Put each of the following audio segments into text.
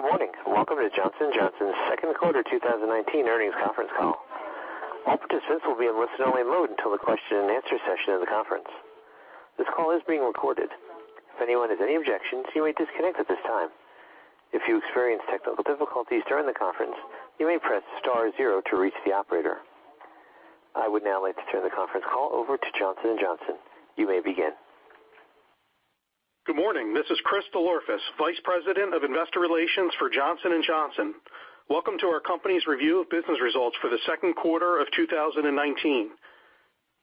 Good morning. Welcome to Johnson & Johnson's second quarter 2019 earnings conference call. All participants will be in listen-only mode until the question-and-answer session of the conference. This call is being recorded. If anyone has any objections, you may disconnect at this time. If you experience technical difficulties during the conference, you may press star zero to reach the operator. I would now like to turn the conference call over to Johnson & Johnson. You may begin. Good morning. This is Chris DelOrefice, Vice President of Investor Relations for Johnson & Johnson. Welcome to our company's review of business results for the second quarter of 2019.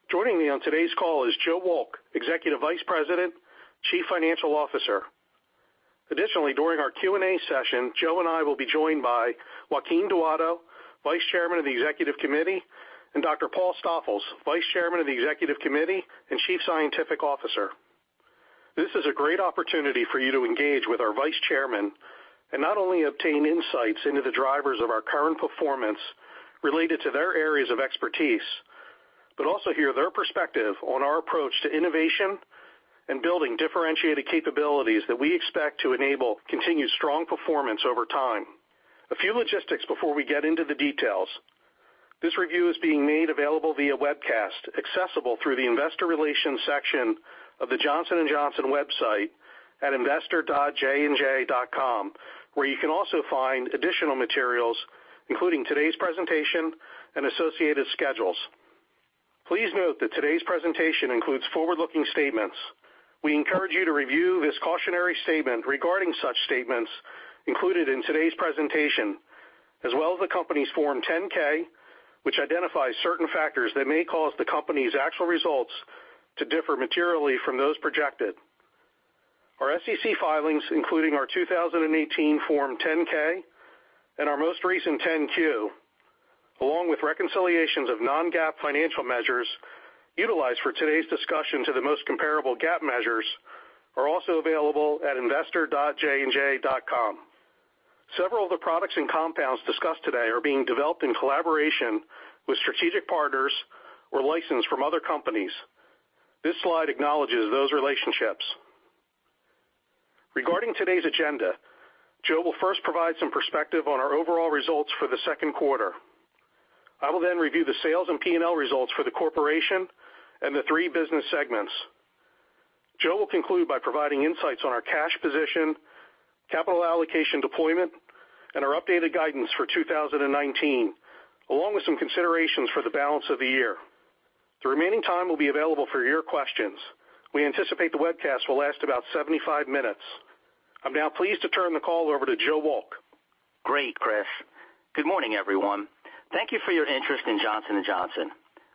Joining me on today's call is Joe Wolk, Executive Vice President, Chief Financial Officer. Additionally, during our Q&A session, Joe and I will be joined by Joaquin Duato, Vice Chairman of the Executive Committee, and Dr. Paul Stoffels, Vice Chairman of the Executive Committee and Chief Scientific Officer. This is a great opportunity for you to engage with our vice chairman and not only obtain insights into the drivers of our current performance related to their areas of expertise, but also hear their perspective on our approach to innovation and building differentiated capabilities that we expect to enable continued strong performance over time. A few logistics before we get into the details. This review is being made available via webcast, accessible through the investor relations section of the Johnson & Johnson website at investor.jnj.com, where you can also find additional materials, including today's presentation and associated schedules. Please note that today's presentation includes forward-looking statements. We encourage you to review this cautionary statement regarding such statements included in today's presentation, as well as the company's Form 10-K, which identifies certain factors that may cause the company's actual results to differ materially from those projected. Our SEC filings, including our 2018 Form 10-K and our most recent 10-Q, along with reconciliations of non-GAAP financial measures utilized for today's discussion to the most comparable GAAP measures, are also available at investor.jnj.com. Several of the products and compounds discussed today are being developed in collaboration with strategic partners or licensed from other companies. This slide acknowledges those relationships. Regarding today's agenda, Joe will first provide some perspective on our overall results for the second quarter. I will then review the sales and P&L results for the corporation and the three business segments. Joe will conclude by providing insights on our cash position, capital allocation deployment, and our updated guidance for 2019, along with some considerations for the balance of the year. The remaining time will be available for your questions. We anticipate the webcast will last about 75 minutes. I'm now pleased to turn the call over to Joe Wolk. Great, Chris. Good morning, everyone. Thank you for your interest in Johnson & Johnson.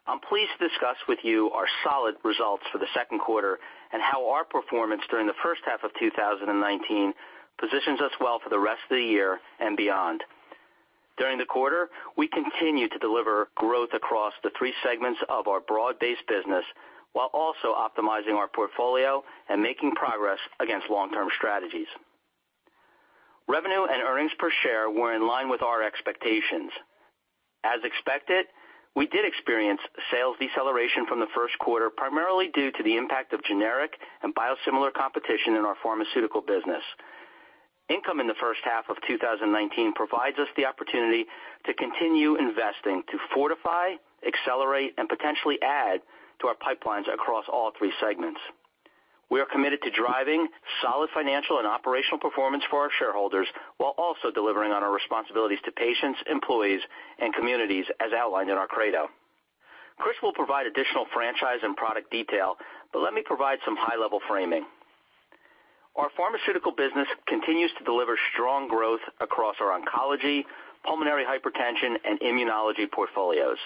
I'm pleased to discuss with you our solid results for the second quarter and how our performance during the first half of 2019 positions us well for the rest of the year and beyond. During the quarter, we continued to deliver growth across the three segments of our broad-based business while also optimizing our portfolio and making progress against long-term strategies. Revenue and earnings per share were in line with our expectations. As expected, we did experience sales deceleration from the first quarter, primarily due to the impact of generic and biosimilar competition in our pharmaceutical business. Income in the first half of 2019 provides us the opportunity to continue investing to fortify, accelerate, and potentially add to our pipelines across all three segments. We are committed to driving solid financial and operational performance for our shareholders while also delivering on our responsibilities to patients, employees, and communities as outlined in our credo. Chris will provide additional franchise and product detail, let me provide some high-level framing. Our pharmaceutical business continues to deliver strong growth across our oncology, pulmonary hypertension, and immunology portfolios.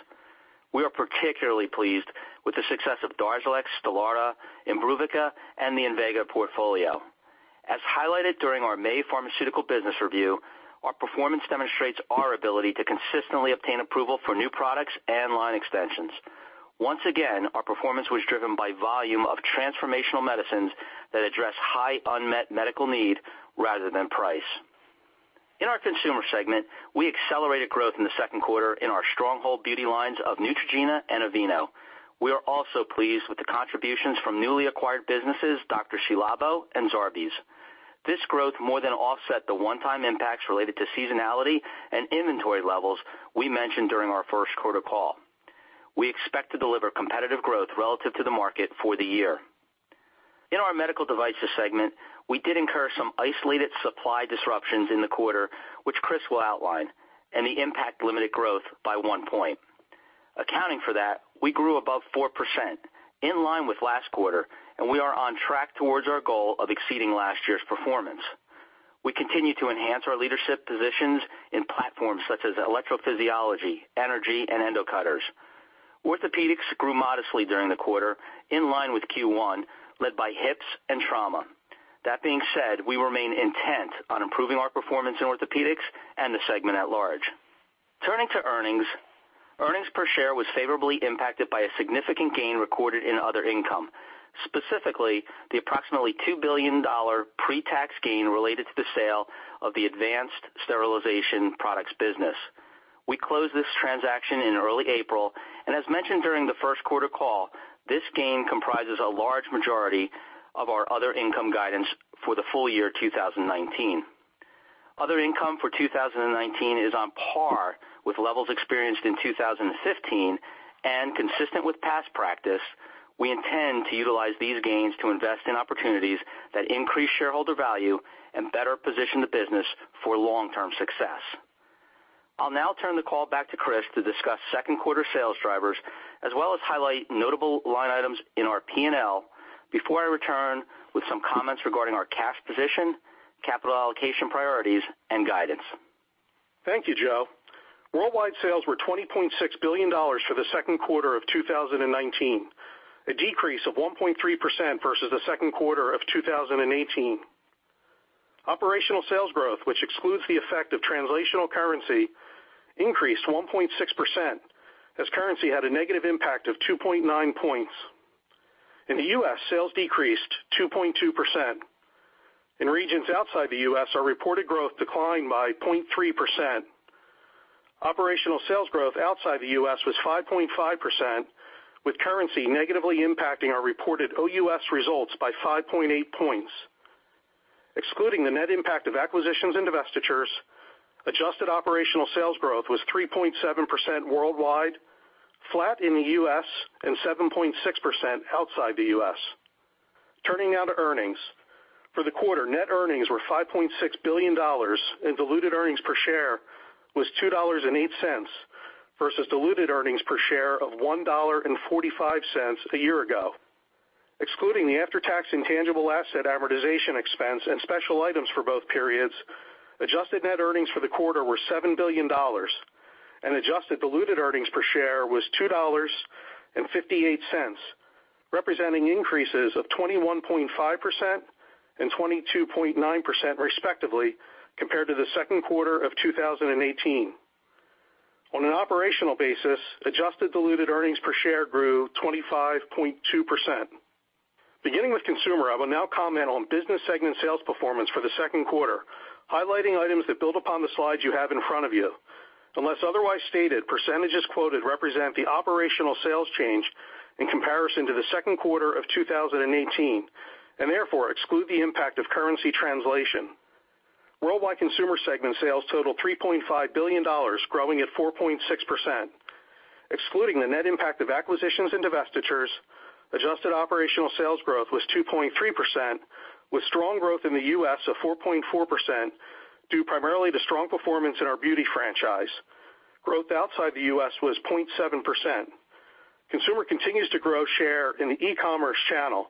We are particularly pleased with the success of DARZALEX, STELARA, IMBRUVICA, and the INVEGA portfolio. As highlighted during our May pharmaceutical business review, our performance demonstrates our ability to consistently obtain approval for new products and line extensions. Once again, our performance was driven by volume of transformational medicines that address high unmet medical need rather than price. In our consumer segment, we accelerated growth in the second quarter in our stronghold beauty lines of NEUTROGENA and AVEENO. We are also pleased with the contributions from newly acquired businesses, Dr.Ci:Labo and Zarbee's. This growth more than offset the one-time impacts related to seasonality and inventory levels we mentioned during our first quarter call. We expect to deliver competitive growth relative to the market for the year. In our medical devices segment, we did incur some isolated supply disruptions in the quarter, which Chris will outline. The impact limited growth by one point. Accounting for that, we grew above 4%, in line with last quarter, and we are on track towards our goal of exceeding last year's performance. We continue to enhance our leadership positions in platforms such as electrophysiology, energy, and endocutters. Orthopedics grew modestly during the quarter, in line with Q1, led by hips and trauma. That being said, we remain intent on improving our performance in orthopedics and the segment at large. Turning to earnings. Earnings per share was favorably impacted by a significant gain recorded in other income, specifically the approximately $2 billion pre-tax gain related to the sale of the Advanced Sterilization Products business. We closed this transaction in early April. As mentioned during the first quarter call, this gain comprises a large majority of our other income guidance for the full year 2019. Other income for 2019 is on par with levels experienced in 2015. Consistent with past practice, we intend to utilize these gains to invest in opportunities that increase shareholder value and better position the business for long-term success. I'll now turn the call back to Chris to discuss second quarter sales drivers, as well as highlight notable line items in our P&L before I return with some comments regarding our cash position, capital allocation priorities, and guidance. Thank you, Joe. Worldwide sales were $20.6 billion for the second quarter of 2019, a decrease of 1.3% versus the second quarter of 2018. Operational sales growth, which excludes the effect of translational currency, increased 1.6% as currency had a negative impact of 2.9 points. In the U.S., sales decreased 2.2%. In regions outside the U.S., our reported growth declined by 0.3%. Operational sales growth outside the U.S. was 5.5% with currency negatively impacting our reported OUS results by 5.8 points. Excluding the net impact of acquisitions and divestitures, adjusted operational sales growth was 3.7% worldwide, flat in the U.S., and 7.6% outside the U.S. Turning now to earnings. For the quarter, net earnings were $5.6 billion and diluted earnings per share was $2.08 versus diluted earnings per share of $1.45 a year ago. Excluding the after-tax intangible asset amortization expense and special items for both periods, adjusted net earnings for the quarter were $7 billion and adjusted diluted earnings per share was $2.58, representing increases of 21.5% and 22.9% respectively compared to the second quarter of 2018. On an operational basis, adjusted diluted earnings per share grew 25.2%. Beginning with Consumer, I will now comment on business segment sales performance for the second quarter, highlighting items that build upon the slides you have in front of you. Unless otherwise stated, percentages quoted represent the operational sales change in comparison to the second quarter of 2018, and therefore exclude the impact of currency translation. Worldwide Consumer segment sales totaled $3.5 billion, growing at 4.6%. Excluding the net impact of acquisitions and divestitures, adjusted operational sales growth was 2.3% with strong growth in the U.S. of 4.4% due primarily to strong performance in our beauty franchise. Growth outside the U.S. was 0.7%. Consumer continues to grow share in the e-commerce channel,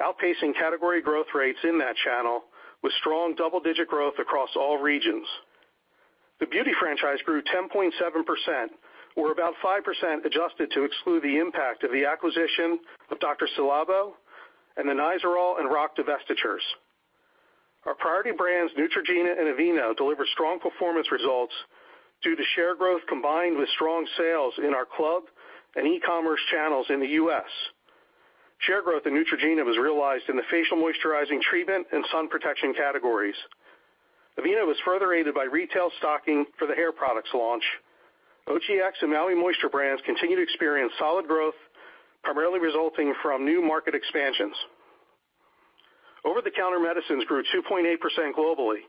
outpacing category growth rates in that channel with strong double-digit growth across all regions. The beauty franchise grew 10.7%, or about 5% adjusted to exclude the impact of the acquisition of Dr.Ci:Labo and the Nizoral and Rogaine divestitures. Our priority brands, NEUTROGENA and AVEENO, delivered strong performance results due to share growth combined with strong sales in our club and e-commerce channels in the U.S. Share growth in NEUROGENA was realized in the facial moisturizing treatment and sun protection categories. AVEENO was further aided by retail stocking for the hair products launch. OGX and Maui Moisture brands continue to experience solid growth, primarily resulting from new market expansions. Over-the-counter medicines grew 2.8% globally,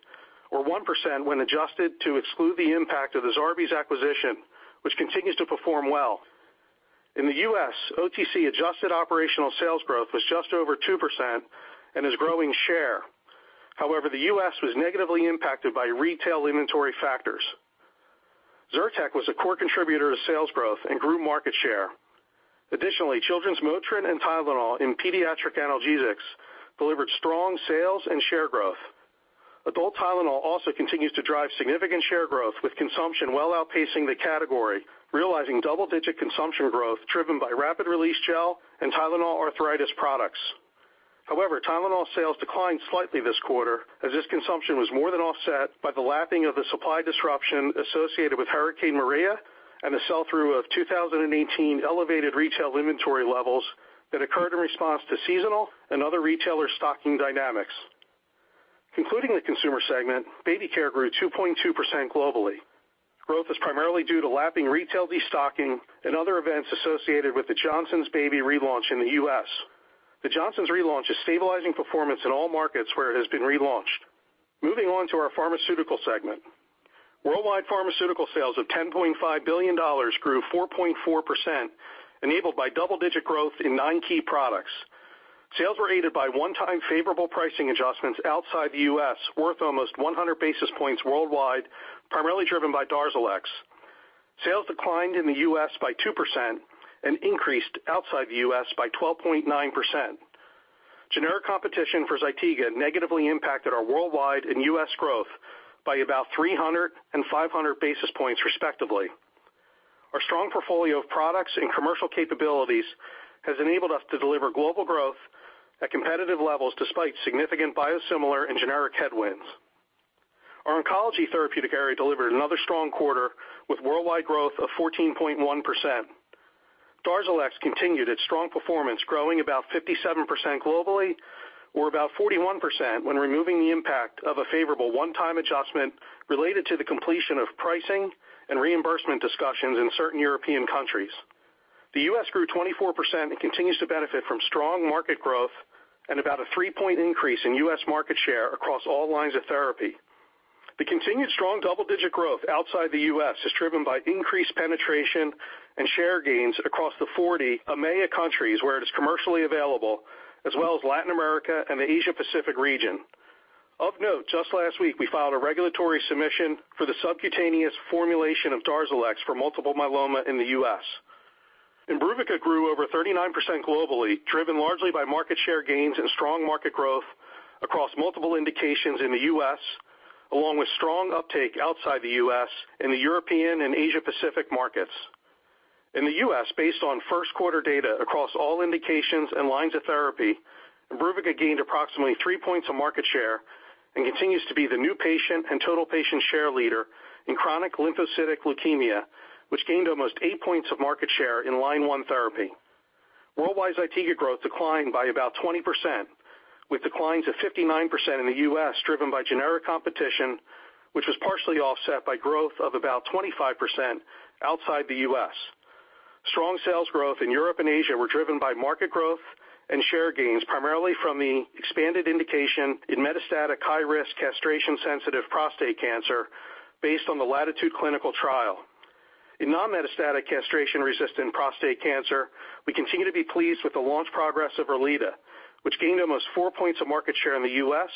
or 1% when adjusted to exclude the impact of the Zarbee's acquisition, which continues to perform well. In the U.S., OTC adjusted operational sales growth was just over 2% and is growing share. However, the U.S. was negatively impacted by retail inventory factors. Zyrtec was a core contributor to sales growth and grew market share. Additionally, Children's Motrin and Tylenol in pediatric analgesics delivered strong sales and share growth. Adult Tylenol also continues to drive significant share growth with consumption well outpacing the category, realizing double-digit consumption growth driven by rapid release gel and Tylenol arthritis products. However, Tylenol sales declined slightly this quarter as this consumption was more than offset by the lapping of the supply disruption associated with Hurricane Maria and the sell-through of 2018 elevated retail inventory levels that occurred in response to seasonal and other retailer stocking dynamics. Concluding the Consumer segment, baby care grew 2.2% globally. Growth was primarily due to lapping retail destocking and other events associated with the Johnson's Baby relaunch in the U.S. The Johnson's relaunch is stabilizing performance in all markets where it has been relaunched. Moving on to our Pharmaceutical segment. Worldwide Pharmaceutical sales of $10.5 billion grew 4.4%, enabled by double-digit growth in nine key products. Sales were aided by one-time favorable pricing adjustments outside the U.S. worth almost 100 basis points worldwide, primarily driven by DARZALEX. Sales declined in the U.S. by 2% and increased outside the U.S. by 12.9%. Generic competition for ZYTIGA negatively impacted our worldwide and U.S. growth by about 300 and 500 basis points respectively. Our strong portfolio of products and commercial capabilities has enabled us to deliver global growth at competitive levels despite significant biosimilar and generic headwinds. Our oncology therapeutic area delivered another strong quarter with worldwide growth of 14.1%. DARZALEX continued its strong performance, growing about 57% globally or about 41% when removing the impact of a favorable one-time adjustment related to the completion of pricing and reimbursement discussions in certain European countries. The U.S. grew 24% and continues to benefit from strong market growth and about a three-point increase in U.S. market share across all lines of therapy. The continued strong double-digit growth outside the U.S. is driven by increased penetration and share gains across the 40 EMEA countries where it is commercially available, as well as Latin America and the Asia Pacific region. Of note, just last week, we filed a regulatory submission for the subcutaneous formulation of DARZALEX for multiple myeloma in the U.S. IMBRUVICA grew over 39% globally, driven largely by market share gains and strong market growth across multiple indications in the U.S., along with strong uptake outside the U.S. in the European and Asia Pacific markets. In the U.S., based on first quarter data across all indications and lines of therapy, IMBRUVICA gained approximately three points of market share and continues to be the new patient and total patient share leader in chronic lymphocytic leukemia, which gained almost eight points of market share in line one therapy. Worldwide ZYTIGA growth declined by about 20%, with declines of 59% in the U.S. driven by generic competition, which was partially offset by growth of about 25% outside the U.S. Strong sales growth in Europe and Asia were driven by market growth and share gains, primarily from the expanded indication in metastatic high-risk castration-sensitive prostate cancer based on the LATITUDE clinical trial. In non-metastatic castration-resistant prostate cancer, we continue to be pleased with the launch progress of ERLEADA, which gained almost four points of market share in the U.S.,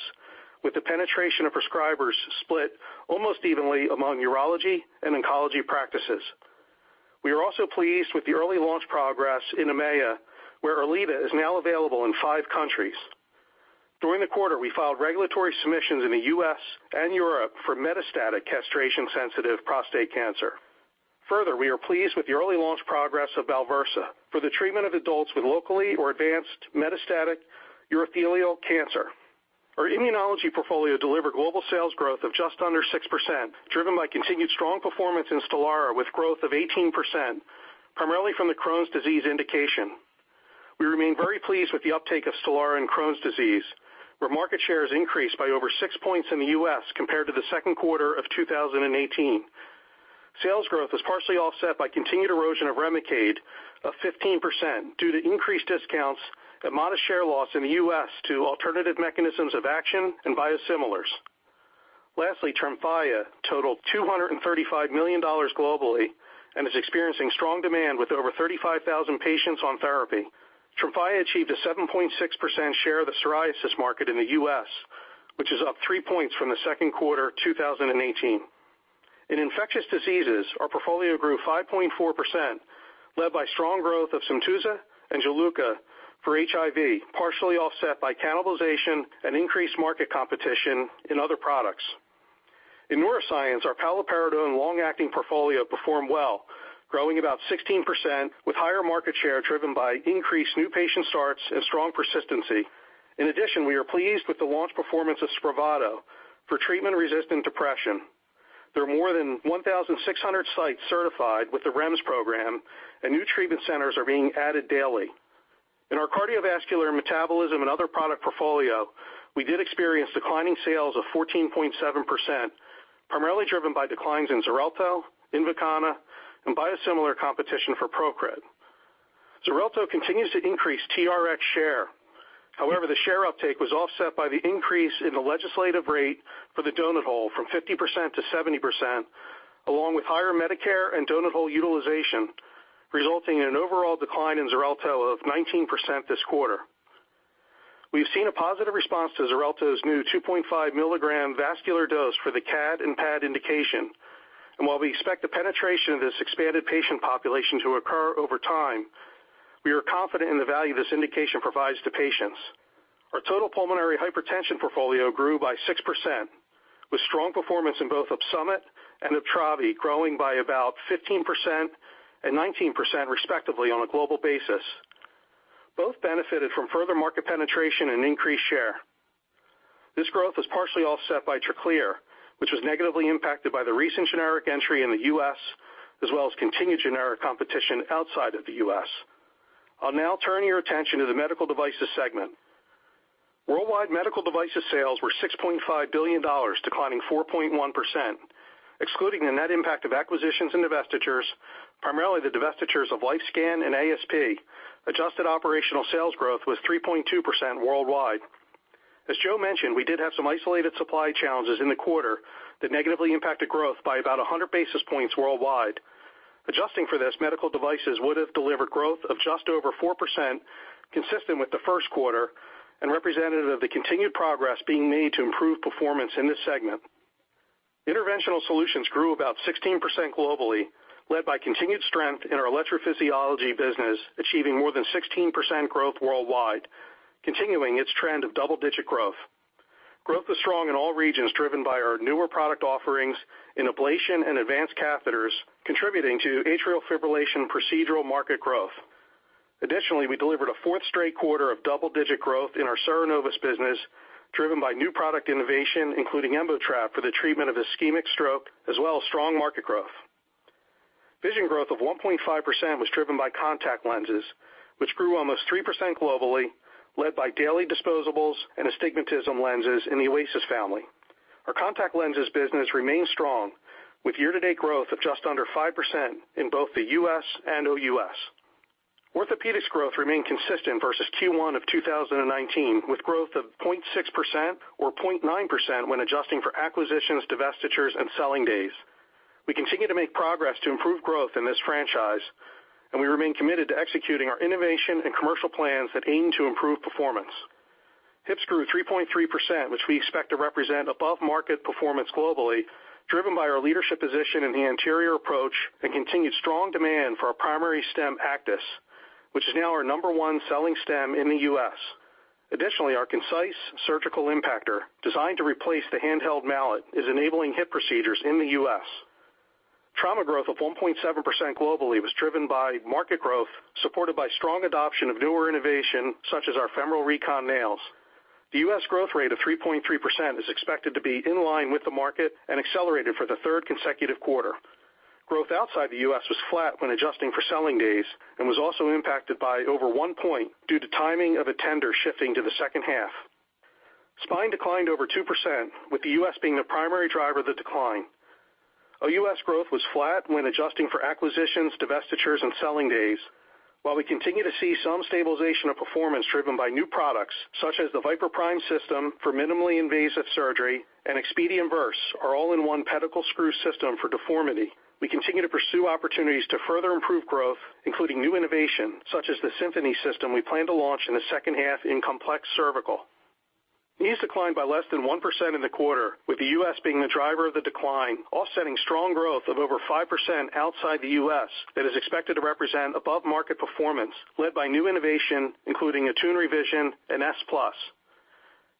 with the penetration of prescribers split almost evenly among urology and oncology practices. We are also pleased with the early launch progress in EMEA, where ERLEADA is now available in five countries. During the quarter, we filed regulatory submissions in the U.S. and Europe for metastatic castration-sensitive prostate cancer. Further, we are pleased with the early launch progress of BALVERSA for the treatment of adults with locally or advanced metastatic urothelial cancer. Our immunology portfolio delivered global sales growth of just under 6%, driven by continued strong performance in STELARA with growth of 18%, primarily from the Crohn's disease indication. We remain very pleased with the uptake of STELARA in Crohn's disease, where market share has increased by over six points in the U.S. compared to the second quarter of 2018. Sales growth was partially offset by continued erosion of REMICADE of 15% due to increased discounts and modest share loss in the U.S. to alternative mechanisms of action and biosimilars. Lastly, TREMFYA totaled $235 million globally and is experiencing strong demand with over 35,000 patients on therapy. TREMFYA achieved a 7.6% share of the psoriasis market in the U.S., which is up three points from the second quarter 2018. In infectious diseases, our portfolio grew 5.4%, led by strong growth of SYMTUZA and JULUCA for HIV, partially offset by cannibalization and increased market competition in other products. In neuroscience, our paliperidone long-acting portfolio performed well, growing about 16% with higher market share driven by increased new patient starts and strong persistency. In addition, we are pleased with the launch performance of SPRAVATO for treatment-resistant depression. There are more than 1,600 sites certified with the REMS program, and new treatment centers are being added daily. In our cardiovascular, metabolism, and other product portfolio, we did experience declining sales of 14.7%, primarily driven by declines in XARELTO, INVOKANA, and biosimilar competition for PROCRIT. XARELTO continues to increase TRX share. However, the share uptake was offset by the increase in the legislative rate for the donut hole from 50%-70%, along with higher Medicare and donut hole utilization, resulting in an overall decline in XARELTO of 19% this quarter. We've seen a positive response to XARELTO's new 2.5 mg vascular dose for the CAD and PAD indication. And while we expect the penetration of this expanded patient population to occur over time, we are confident in the value this indication provides to patients. Our total pulmonary hypertension portfolio grew by 6%, with strong performance in both OPSUMIT and UPTRAVI growing by about 15% and 19% respectively on a global basis. Both benefited from further market penetration and increased share. This growth was partially offset by TRACLEER, which was negatively impacted by the recent generic entry in the U.S., as well as continued generic competition outside of the U.S. I'll now turn your attention to the medical devices segment. Worldwide medical devices sales were $6.5 billion, declining 4.1%. Excluding the net impact of acquisitions and divestitures, primarily the divestitures of LifeScan and ASP, adjusted operational sales growth was 3.2% worldwide. As Joe mentioned, we did have some isolated supply challenges in the quarter that negatively impacted growth by about 100 basis points worldwide. Adjusting for this, medical devices would have delivered growth of just over 4%, consistent with the first quarter and representative of the continued progress being made to improve performance in this segment. Interventional solutions grew about 16% globally, led by continued strength in our electrophysiology business, achieving more than 16% growth worldwide, continuing its trend of double-digit growth. Growth was strong in all regions, driven by our newer product offerings in ablation and advanced catheters, contributing to atrial fibrillation procedural market growth. Additionally, we delivered a fourth straight quarter of double-digit growth in our CERENOVUS business, driven by new product innovation, including EMBOTRAP for the treatment of ischemic stroke, as well as strong market growth. Vision growth of 1.5% was driven by contact lenses, which grew almost 3% globally, led by daily disposables and astigmatism lenses in the OASYS family. Our contact lenses business remains strong, with year-to-date growth of just under 5% in both the U.S. and OUS. Orthopedics growth remained consistent versus Q1 of 2019, with growth of 0.6%, or 0.9% when adjusting for acquisitions, divestitures, and selling days. We continue to make progress to improve growth in this franchise, and we remain committed to executing our innovation and commercial plans that aim to improve performance. Hips grew 3.3%, which we expect to represent above-market performance globally, driven by our leadership position in the anterior approach and continued strong demand for our primary stem, ACTIS, which is now our number one selling stem in the U.S. Our KINCISE Surgical Automated System, designed to replace the handheld mallet, is enabling hip procedures in the U.S. Trauma growth of 1.7% globally was driven by market growth, supported by strong adoption of newer innovation, such as our femoral recon nails. The U.S. growth rate of 3.3% is expected to be in line with the market and accelerated for the third consecutive quarter. Growth outside the U.S. was flat when adjusting for selling days and was also impacted by over one point due to timing of a tender shifting to the second half. Spine declined over 2%, with the U.S. being the primary driver of the decline. OUS growth was flat when adjusting for acquisitions, divestitures, and selling days. While we continue to see some stabilization of performance driven by new products, such as the VIPER PRIME system for minimally invasive surgery and EXPEDIUM VERSE, our all-in-one pedicle screw system for deformity, we continue to pursue opportunities to further improve growth, including new innovation such as the SYMPHONY system we plan to launch in the second half in complex cervical. Knees declined by less than 1% in the quarter, with the U.S. being the driver of the decline, offsetting strong growth of over 5% outside the U.S. that is expected to represent above-market performance led by new innovation, including ATTUNE Revision and S+.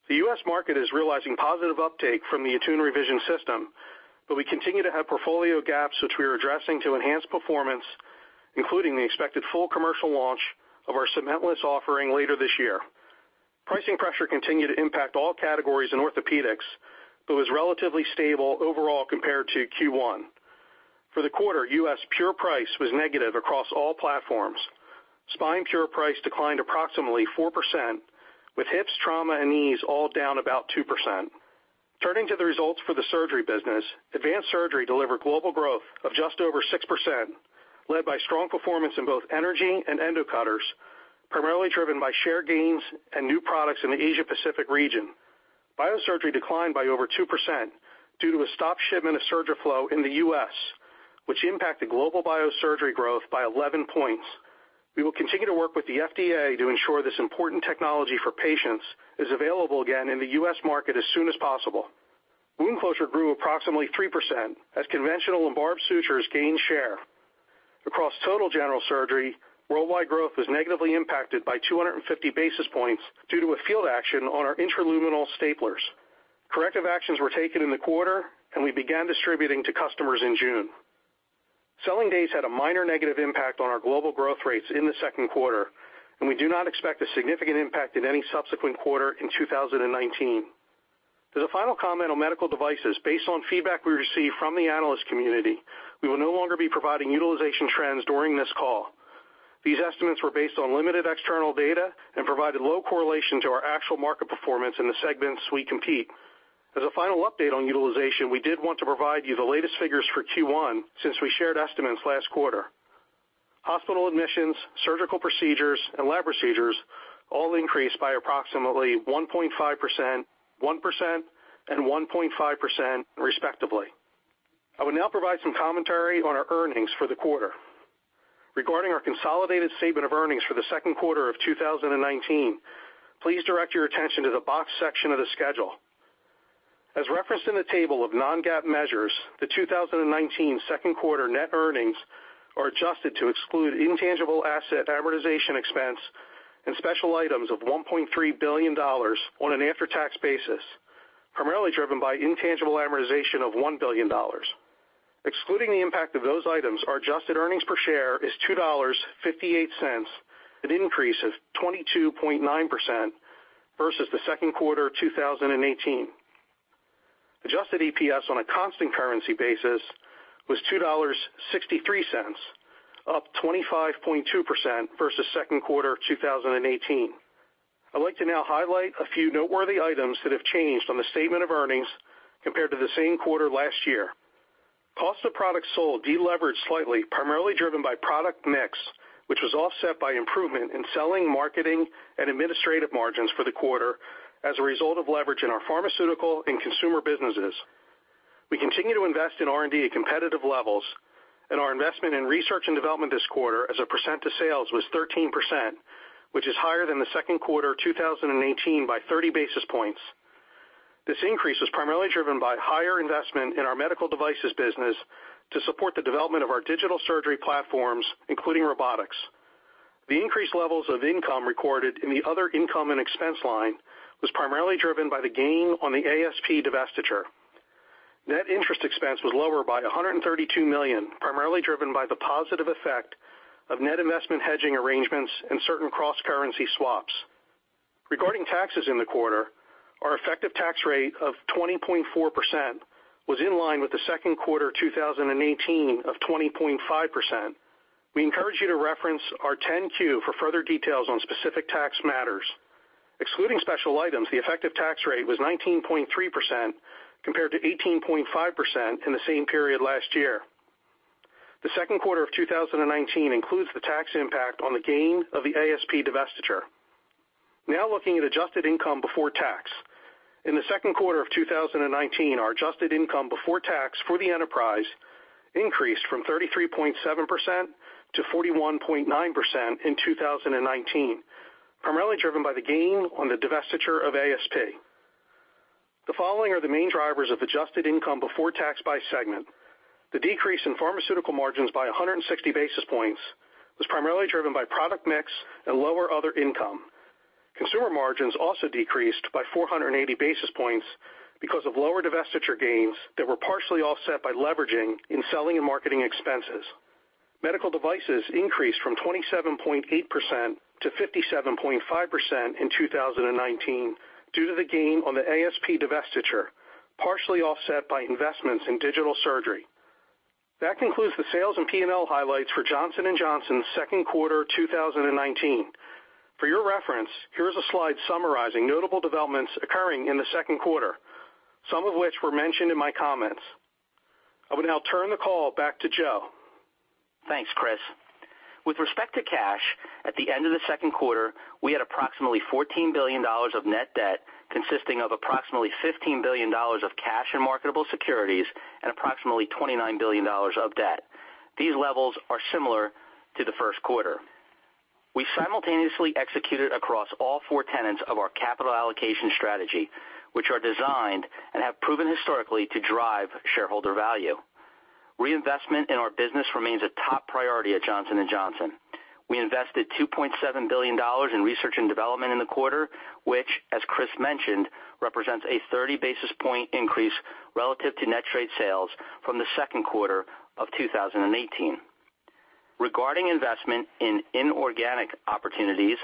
The U.S. market is realizing positive uptake from the ATTUNE Revision system, we continue to have portfolio gaps which we are addressing to enhance performance, including the expected full commercial launch of our cement-less offering later this year. Pricing pressure continued to impact all categories in orthopedics but was relatively stable overall compared to Q1. For the quarter, U.S. pure price was negative across all platforms. Spine pure price declined approximately 4%, with hips, trauma, and knees all down about 2%. Turning to the results for the surgery business, advanced surgery delivered global growth of just over 6%, led by strong performance in both energy and endo cutters, primarily driven by share gains and new products in the Asia-Pacific region. Biosurgery declined by over 2% due to a stopped shipment of SURGIFLO in the U.S., which impacted global biosurgery growth by 11 points. We will continue to work with the FDA to ensure this important technology for patients is available again in the U.S. market as soon as possible. Wound closure grew approximately 3% as conventional and barbed sutures gained share. Across total general surgery, worldwide growth was negatively impacted by 250 basis points due to a field action on our intraluminal staplers. Corrective actions were taken in the quarter, and we began distributing to customers in June. Selling days had a minor negative impact on our global growth rates in the second quarter, and we do not expect a significant impact in any subsequent quarter in 2019. As a final comment on medical devices, based on feedback we received from the analyst community, we will no longer be providing utilization trends during this call. These estimates were based on limited external data and provided low correlation to our actual market performance in the segments we compete. As a final update on utilization, we did want to provide you the latest figures for Q1 since we shared estimates last quarter. Hospital admissions, surgical procedures, and lab procedures all increased by approximately 1.5%, 1%, and 1.5%, respectively. I will now provide some commentary on our earnings for the quarter. Regarding our consolidated statement of earnings for the second quarter of 2019, please direct your attention to the box section of the schedule. As referenced in the table of non-GAAP measures, the 2019 second quarter net earnings are adjusted to exclude intangible asset amortization expense and special items of $1.3 billion on an after-tax basis, primarily driven by intangible amortization of $1 billion. Excluding the impact of those items, our adjusted earnings per share is $2.58, an increase of 22.9% versus the second quarter of 2018. Adjusted EPS on a constant currency basis was $2.63, up 25.2% versus second quarter 2018. I'd like to now highlight a few noteworthy items that have changed on the statement of earnings compared to the same quarter last year. Cost of products sold deleveraged slightly, primarily driven by product mix, which was offset by improvement in selling, marketing, and administrative margins for the quarter as a result of leverage in our pharmaceutical and consumer businesses. We continue to invest in R&D at competitive levels, and our investment in research and development this quarter as a percent of sales was 13%, which is higher than the second quarter 2018 by 30 basis points. This increase was primarily driven by higher investment in our medical devices business to support the development of our digital surgery platforms, including robotics. The increased levels of income recorded in the other income and expense line was primarily driven by the gain on the ASP divestiture. Net interest expense was lower by $132 million, primarily driven by the positive effect of net investment hedging arrangements and certain cross-currency swaps. Regarding taxes in the quarter, our effective tax rate of 20.4% was in line with the second quarter 2018 of 20.5%. We encourage you to reference our 10-Q for further details on specific tax matters. Excluding special items, the effective tax rate was 19.3% compared to 18.5% in the same period last year. The second quarter of 2019 includes the tax impact on the gain of the ASP divestiture. Now, looking at adjusted income before tax. In the second quarter of 2019, our adjusted income before tax for the enterprise increased from 33.7%-41.9% in 2019, primarily driven by the gain on the divestiture of ASP. The following are the main drivers of adjusted income before tax by segment. The decrease in pharmaceutical margins by 160 basis points was primarily driven by product mix and lower other income. Consumer margins also decreased by 480 basis points because of lower divestiture gains that were partially offset by leveraging in selling and marketing expenses. Medical devices increased from 27.8%-57.5% in 2019 due to the gain on the ASP divestiture, partially offset by investments in digital surgery. That concludes the sales and P&L highlights for Johnson & Johnson's second quarter 2019. For your reference, here is a slide summarizing notable developments occurring in the second quarter, some of which were mentioned in my comments. I will now turn the call back to Joe. Thanks, Chris. With respect to cash, at the end of the second quarter, we had approximately $14 billion of net debt, consisting of approximately $15 billion of cash and marketable securities and approximately $29 billion of debt. These levels are similar to the first quarter. We simultaneously executed across all four tenets of our capital allocation strategy, which are designed and have proven historically to drive shareholder value. Reinvestment in our business remains a top priority at Johnson & Johnson. We invested $2.7 billion in research and development in the quarter, which, as Chris mentioned, represents a 30 basis point increase relative to net trade sales from the second quarter of 2018. Regarding investment in inorganic opportunities,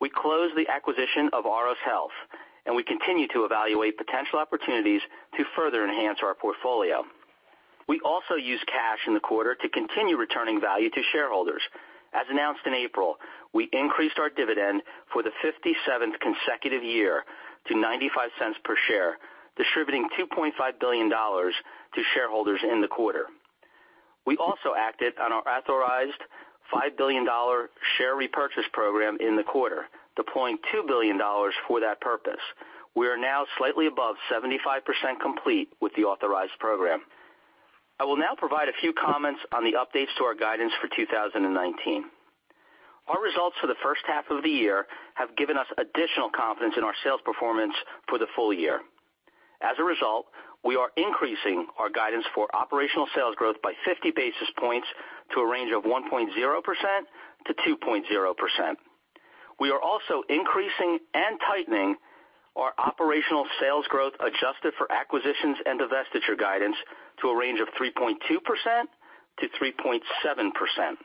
we closed the acquisition of Auris Health, and we continue to evaluate potential opportunities to further enhance our portfolio. We also used cash in the quarter to continue returning value to shareholders. As announced in April, we increased our dividend for the 57th consecutive year to $0.95 per share, distributing $2.5 billion to shareholders in the quarter. We also acted on our authorized $5 billion share repurchase program in the quarter, deploying $2 billion for that purpose. We are now slightly above 75% complete with the authorized program. I will now provide a few comments on the updates to our guidance for 2019. Our results for the first half of the year have given us additional confidence in our sales performance for the full year. As a result, we are increasing our guidance for operational sales growth by 50 basis points to a range of 1.0%-2.0%. We are also increasing and tightening our operational sales growth adjusted for acquisitions and divestiture guidance to a range of 3.2%-3.7%.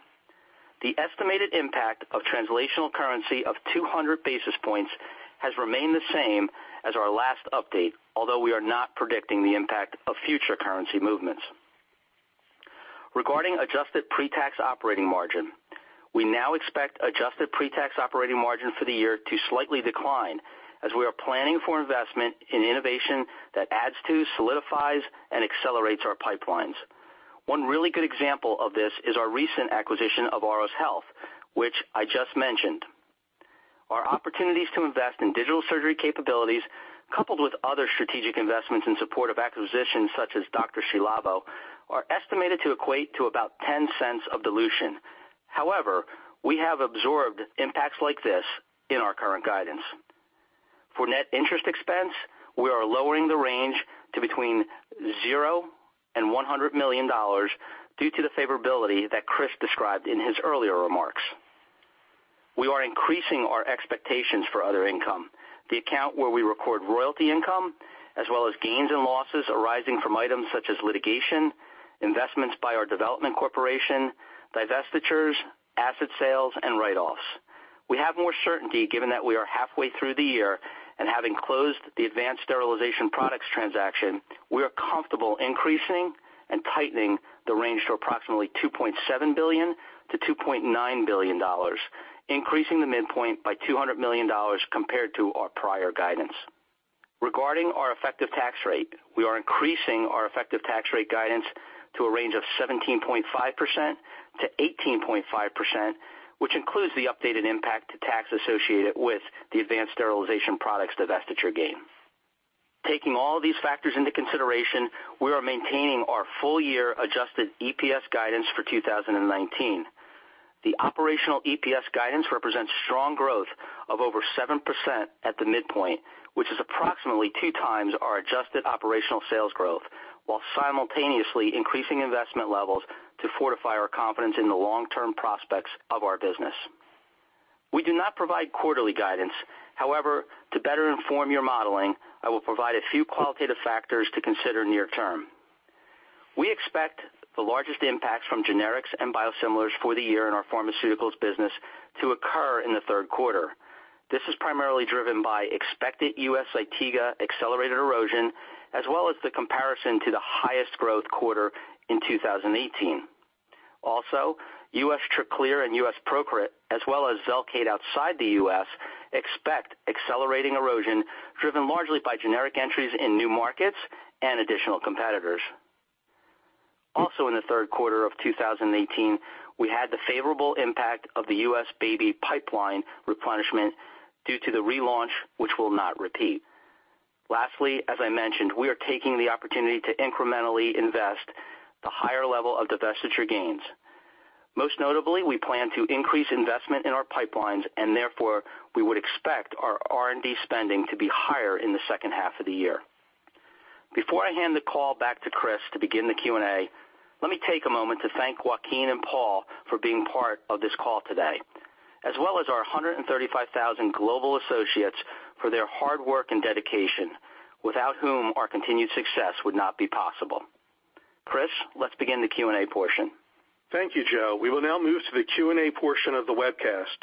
The estimated impact of translational currency of 200 basis points has remained the same as our last update, although we are not predicting the impact of future currency movements. Regarding adjusted pre-tax operating margin, we now expect adjusted pre-tax operating margin for the year to slightly decline as we are planning for investment in innovation that adds to, solidifies, and accelerates our pipelines. One really good example of this is our recent acquisition of Auris Health, which I just mentioned. Our opportunities to invest in digital surgery capabilities, coupled with other strategic investments in support of acquisitions such as Dr.Ci:Labo, are estimated to equate to about $0.10 of dilution. However, we have absorbed impacts like this in our current guidance. For net interest expense, we are lowering the range to between $0 and $100 million due to the favorability that Chris described in his earlier remarks. We are increasing our expectations for other income, the account where we record royalty income, as well as gains and losses arising from items such as litigation, investments by our development corporation, divestitures, asset sales, and write-offs. We have more certainty given that we are halfway through the year and having closed the Advanced Sterilization Products transaction, we are comfortable increasing and tightening the range to approximately $2.7 billion-$2.9 billion, increasing the midpoint by $200 million compared to our prior guidance. Regarding our effective tax rate, we are increasing our effective tax rate guidance to a range of 17.5%-18.5%, which includes the updated impact to tax associated with the Advanced Sterilization Products divestiture gain. Taking all these factors into consideration, we are maintaining our full year adjusted EPS guidance for 2019. The operational EPS guidance represents strong growth of over 7% at the midpoint, which is approximately two times our adjusted operational sales growth, while simultaneously increasing investment levels to fortify our confidence in the long-term prospects of our business. We do not provide quarterly guidance. However, to better inform your modeling, I will provide a few qualitative factors to consider near term. We expect the largest impacts from generics and biosimilars for the year in our pharmaceuticals business to occur in the third quarter. This is primarily driven by expected U.S. ZYTIGA accelerated erosion, as well as the comparison to the highest growth quarter in 2018. Also, U.S. TRACLEER and U.S. PROCRIT, as well as VELCADE outside the U.S., expect accelerating erosion driven largely by generic entries in new markets and additional competitors. Also in the third quarter of 2018, we had the favorable impact of the U.S. baby pipeline replenishment due to the relaunch, which will not repeat. Lastly, as I mentioned, we are taking the opportunity to incrementally invest the higher level of divestiture gains. Most notably, we plan to increase investment in our pipelines, and therefore, we would expect our R&D spending to be higher in the second half of the year. Before I hand the call back to Chris to begin the Q&A, let me take a moment to thank Joaquin and Paul for being part of this call today, as well as our 135,000 global associates for their hard work and dedication, without whom our continued success would not be possible. Chris, let's begin the Q&A portion. Thank you, Joe. We will now move to the Q&A portion of the webcast.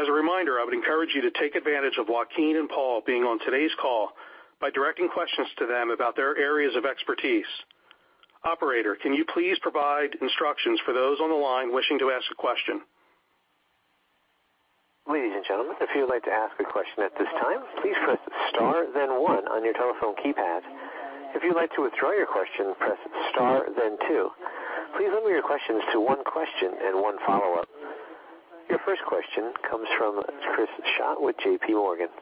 As a reminder, I would encourage you to take advantage of Joaquin and Paul being on today's call by directing questions to them about their areas of expertise. Operator, can you please provide instructions for those on the line wishing to ask a question? Ladies and gentlemen, if you'd like to ask a question at this time, please press star then one on your telephone keypad. If you'd like to withdraw your question, press star then two. Please limit your questions to one question and one follow-up. Your first question comes from Chris Schott with JPMorgan.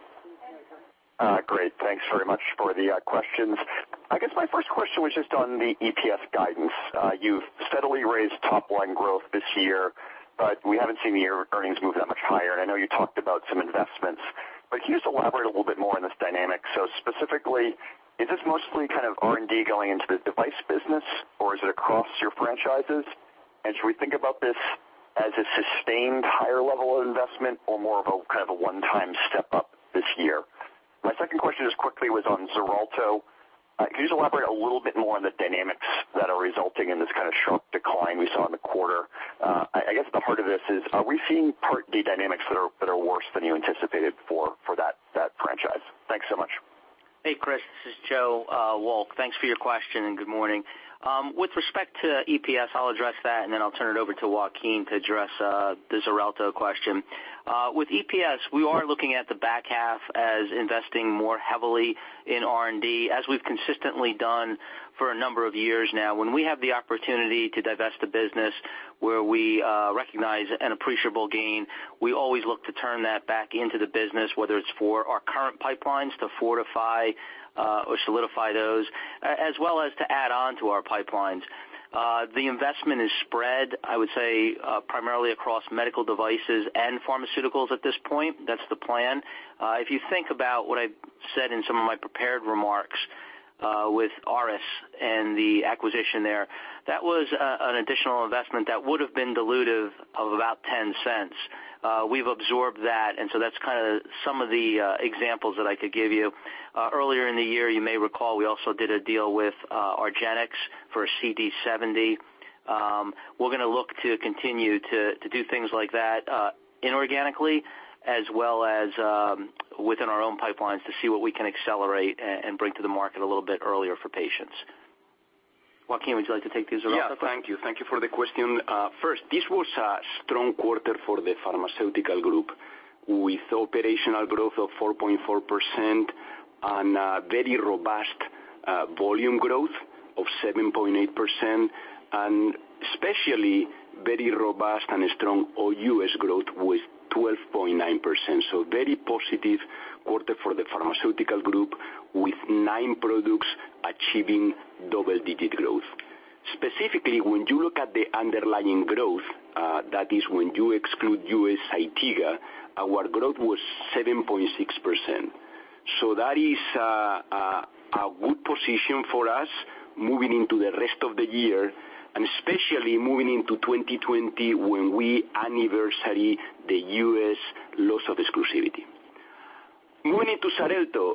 Great. Thanks very much for the questions. I guess my first question was just on the EPS guidance. You've steadily raised top line growth this year, but we haven't seen the year earnings move that much higher. I know you talked about some investments, but can you just elaborate a little bit more on this dynamic? Specifically, is this mostly R&D going into the device business, or is it across your franchises? Should we think about this as a sustained higher level of investment or more of a one-time step up this year? My second question just quickly was on XARELTO. Can you just elaborate a little bit more on the dynamics that are resulting in this sharp decline we saw in the quarter? I guess the heart of this is, are we seeing Part D dynamics that are worse than you anticipated for that franchise? Thanks so much. Hey, Chris. This is Joe Wolk. Thanks for your question, and good morning. With respect to EPS, I'll address that, and then I'll turn it over to Joaquin to address the XARELTO question. With EPS, we are looking at the back half as investing more heavily in R&D, as we've consistently done for a number of years now. When we have the opportunity to divest a business where we recognize an appreciable gain, we always look to turn that back into the business, whether it's for our current pipelines to fortify or solidify those, as well as to add on to our pipelines. The investment is spread, I would say, primarily across medical devices and pharmaceuticals at this point. That's the plan. If you think about what I said in some of my prepared remarks with Auris and the acquisition there, that was an additional investment that would have been dilutive of about $0.10. We've absorbed that's some of the examples that I could give you. Earlier in the year, you may recall, we also did a deal with argenx for CD70. We're going to look to continue to do things like that inorganically as well as within our own pipelines to see what we can accelerate and bring to the market a little bit earlier for patients. Joaquin, would you like to take the XARELTO question? Yeah. Thank you. Thank you for the question. First, this was a strong quarter for the pharmaceutical group with operational growth of 4.4% and a very robust volume growth of 7.8%, and especially very robust and strong U.S. growth with 12.9%. Very positive quarter for the pharmaceutical group with nine products achieving double-digit growth. Specifically, when you look at the underlying growth, that is when you exclude U.S. LOE, our growth was 7.6%. That is a good position for us moving into the rest of the year, and especially moving into 2020, when we anniversary the U.S. loss of exclusivity. Moving into XARELTO,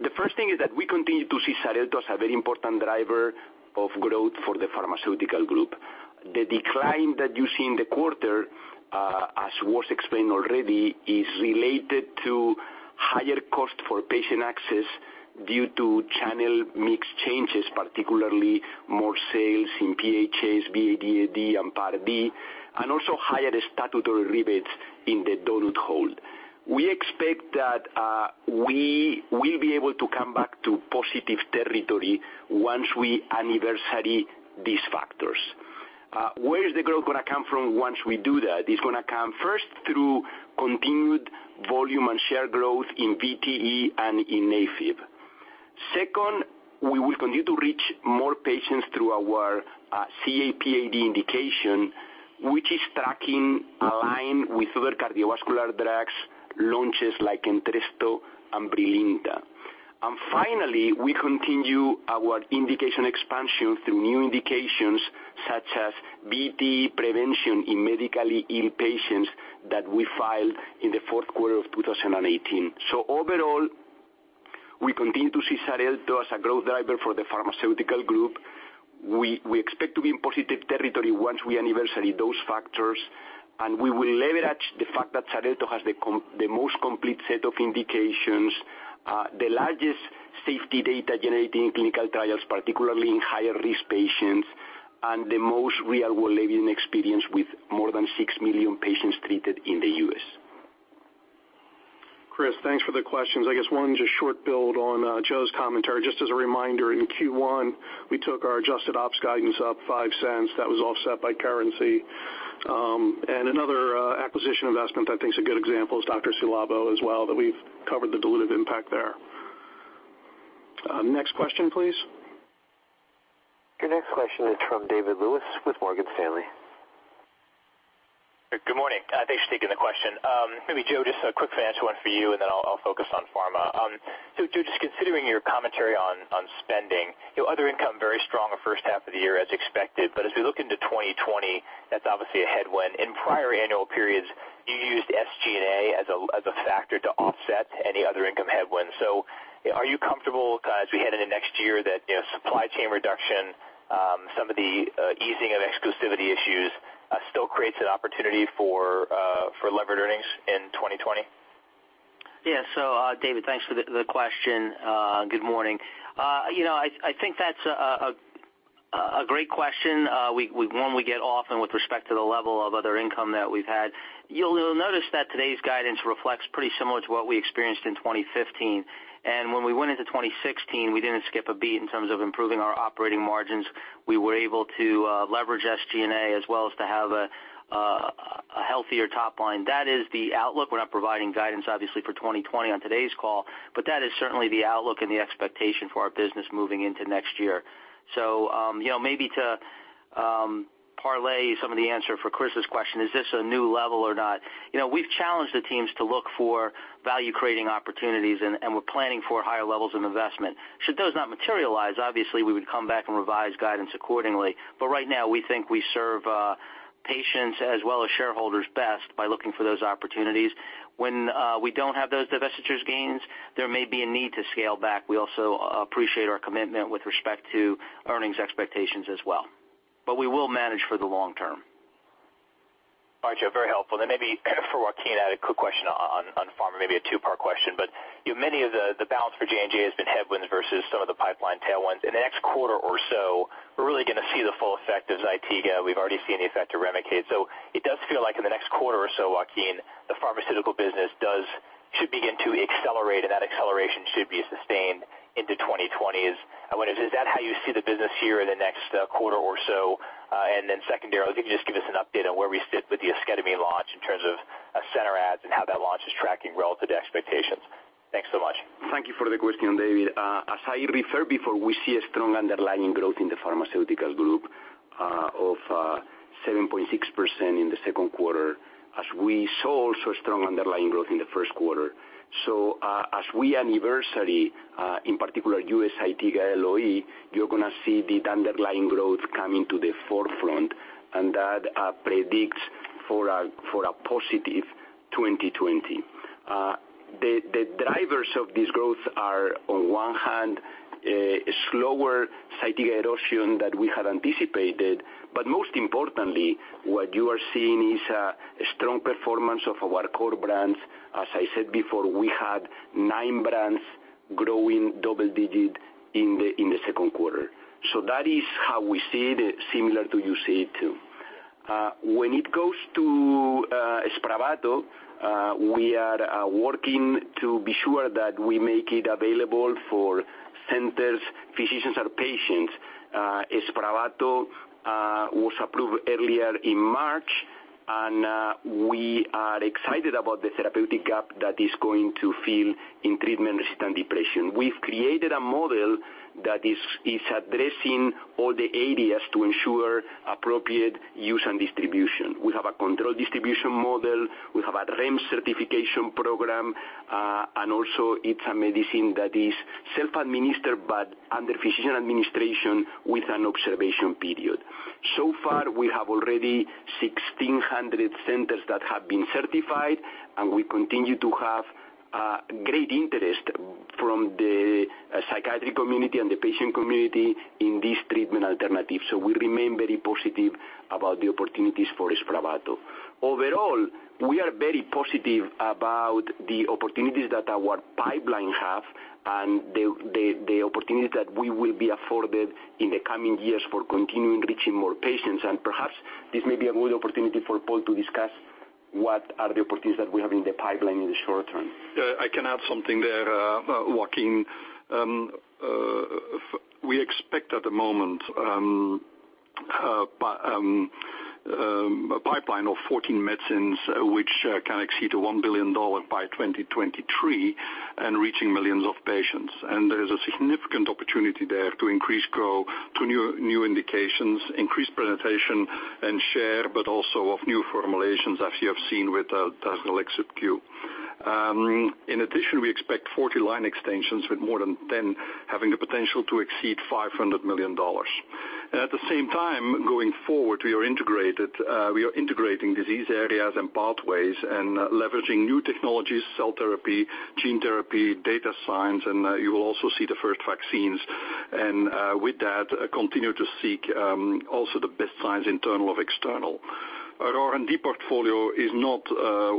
the first thing is that we continue to see XARELTO as a very important driver of growth for the pharmaceutical group. The decline that you see in the quarter, as was explained already, is related to higher cost for patient access due to channel mix changes, particularly more sales in PHAs, BADAD, and Part D, and also higher statutory rebates in the donut hole. We expect that we will be able to come back to positive territory once we anniversary these factors. Where is the growth going to come from once we do that? It's going to come first through continued volume and share growth in VTE and in AFib. Second, we will continue to reach more patients through our CAD/PAD indication, which is tracking in line with other cardiovascular drugs launches like Entresto and BRILINTA. And finally, we continue our indication expansion through new indications such as VTE prevention in medically ill patients that we filed in the fourth quarter of 2018. Overall, we continue to see XARELTO as a growth driver for the pharmaceutical group. We expect to be in positive territory once we anniversary those factors, and we will leverage the fact that XARELTO has the most complete set of indications, the largest safety data-generating clinical trials, particularly in higher risk patients, and the most real-world living experience with more than 6 million patients treated in the U.S. Chris, thanks for the questions. I guess one, just short build on Joe's commentary. Just as a reminder, in Q1, we took our adjusted ops guidance up $0.05. That was offset by currency. Another acquisition investment I think is a good example is Dr.Ci:Labo as well, that we've covered the dilutive impact there. Next question, please. Your next question is from David Lewis with Morgan Stanley. Good morning. Thanks for taking the question. Maybe Joe, just a quick financial one for you, and then I'll focus on pharma. Joe, just considering your commentary on spending, your other income, very strong first half of the year as expected. As we look into 2020, that's obviously a headwind. In prior annual periods, you used SG&A as a factor to offset any other income headwinds. Are you comfortable as we head into next year that supply chain reduction, some of the easing of exclusivity issues still creates an opportunity for levered earnings in 2020? Yes. David, thanks for the question. Good morning. I think that's a great question. One we get often with respect to the level of other income that we've had. You'll notice that today's guidance reflects pretty similar to what we experienced in 2015. When we went into 2016, we didn't skip a beat in terms of improving our operating margins. We were able to leverage SG&A as well as to have a healthier top line. That is the outlook. We're not providing guidance, obviously, for 2020 on today's call, but that is certainly the outlook and the expectation for our business moving into next year. Maybe to parlay some of the answer for Chris's question, is this a new level or not? We've challenged the teams to look for value-creating opportunities, and we're planning for higher levels of investment. Should those not materialize, obviously, we would come back and revise guidance accordingly. Right now, we think we serve patients as well as shareholders best by looking for those opportunities. When we don't have those divestitures gains, there may be a need to scale back. We also appreciate our commitment with respect to earnings expectations as well. We will manage for the long term. All right, Joe. Very helpful. Maybe for Joaquin, I had a quick question on pharma, maybe a two-part question. Many of the balance for J&J has been headwinds versus some of the pipeline tailwinds. In the next quarter or so, we're really going to see the full effect of ZYTIGA. We've already seen the effect of REMICADE. It does feel like in the next quarter or so, Joaquin, the pharmaceutical business should begin to accelerate, and that acceleration should be sustained into 2020s. I wonder, is that how you see the business here in the next quarter or so? Secondarily, can you just give us an update on where we sit with the esketamine launch in terms of center adds and how that launch is tracking relative to expectations? Thanks so much. Thank you for the question, David. As I referred before, we see a strong underlying growth in the pharmaceuticals group of 7.6% in the second quarter, as we saw also strong underlying growth in the first quarter. As we anniversary, in particular U.S. ZYTIGA LOE, you're going to see the underlying growth coming to the forefront, and that predicts for a positive 2020. The drivers of this growth are, on one hand, a slower ZYTIGA erosion than we had anticipated. Most importantly, what you are seeing is a strong performance of our core brands. As I said before, we had nine brands growing double-digit in the second quarter. That is how we see it, similar to you see it, too. When it goes to SPRAVATO, we are working to be sure that we make it available for centers, physicians, and patients. SPRAVATO was approved earlier in March, we are excited about the therapeutic gap that is going to fill in treatment-resistant depression. We've created a model that is addressing all the areas to ensure appropriate use and distribution. We have a controlled distribution model. We have a REMS certification program, and also it's a medicine that is self-administered, but under physician administration with an observation period. So far, we have already 1,600 centers that have been certified, we continue to have great interest from the psychiatric community and the patient community in this treatment alternative. We remain very positive about the opportunities for SPRAVATO. Overall, we are very positive about the opportunities that our pipeline have and the opportunities that we will be afforded in the coming years for continuing reaching more patients and perhaps this may be a good opportunity for Paul to discuss what are the opportunities that we have in the pipeline in the short term. I can add something there, Joaquin. We expect at the moment a pipeline of 14 medicines which can exceed $1 billion by 2023 and reaching millions of patients. There is a significant opportunity there to increase growth to new indications, increase presentation and share, but also of new formulations as you have seen with [DARZALEX FASPRO]. In addition, we expect 40 line extensions, with more than 10 having the potential to exceed $500 million. At the same time, going forward, we are integrating disease areas and pathways and leveraging new technologies, cell therapy, gene therapy, data science, and you will also see the first vaccines. With that, continue to seek also the best science, internal or external. Our R&D portfolio is not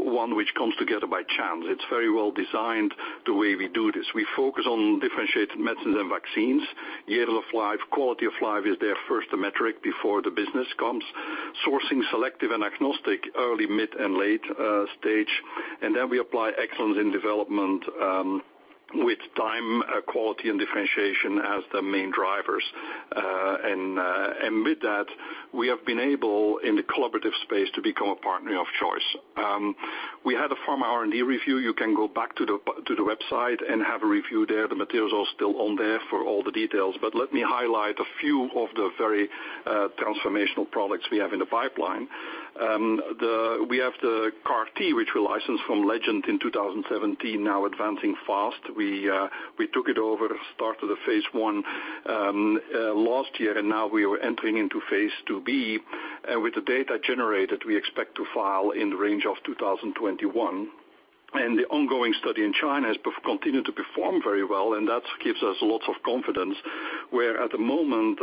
one which comes together by chance. It's very well designed the way we do this. We focus on differentiated medicines and vaccines. Year of life, quality of life is their first metric before the business comes. Sourcing selective and agnostic early, mid, and late stage. Then we apply excellence in development with time, quality, and differentiation as the main drivers. With that, we have been able, in the collaborative space, to become a partner of choice. We had a pharma R&D review. You can go back to the website and have a review there. The materials are still on there for all the details, but let me highlight a few of the very transformational products we have in the pipeline. We have the CAR-T, which we licensed from Legend in 2017, now advancing fast. We took it over at start of the phase I last year, now we are entering into phase II-B. With the data generated, we expect to file in the range of 2021. The ongoing study in China has continued to perform very well, that gives us lots of confidence, where at the moment,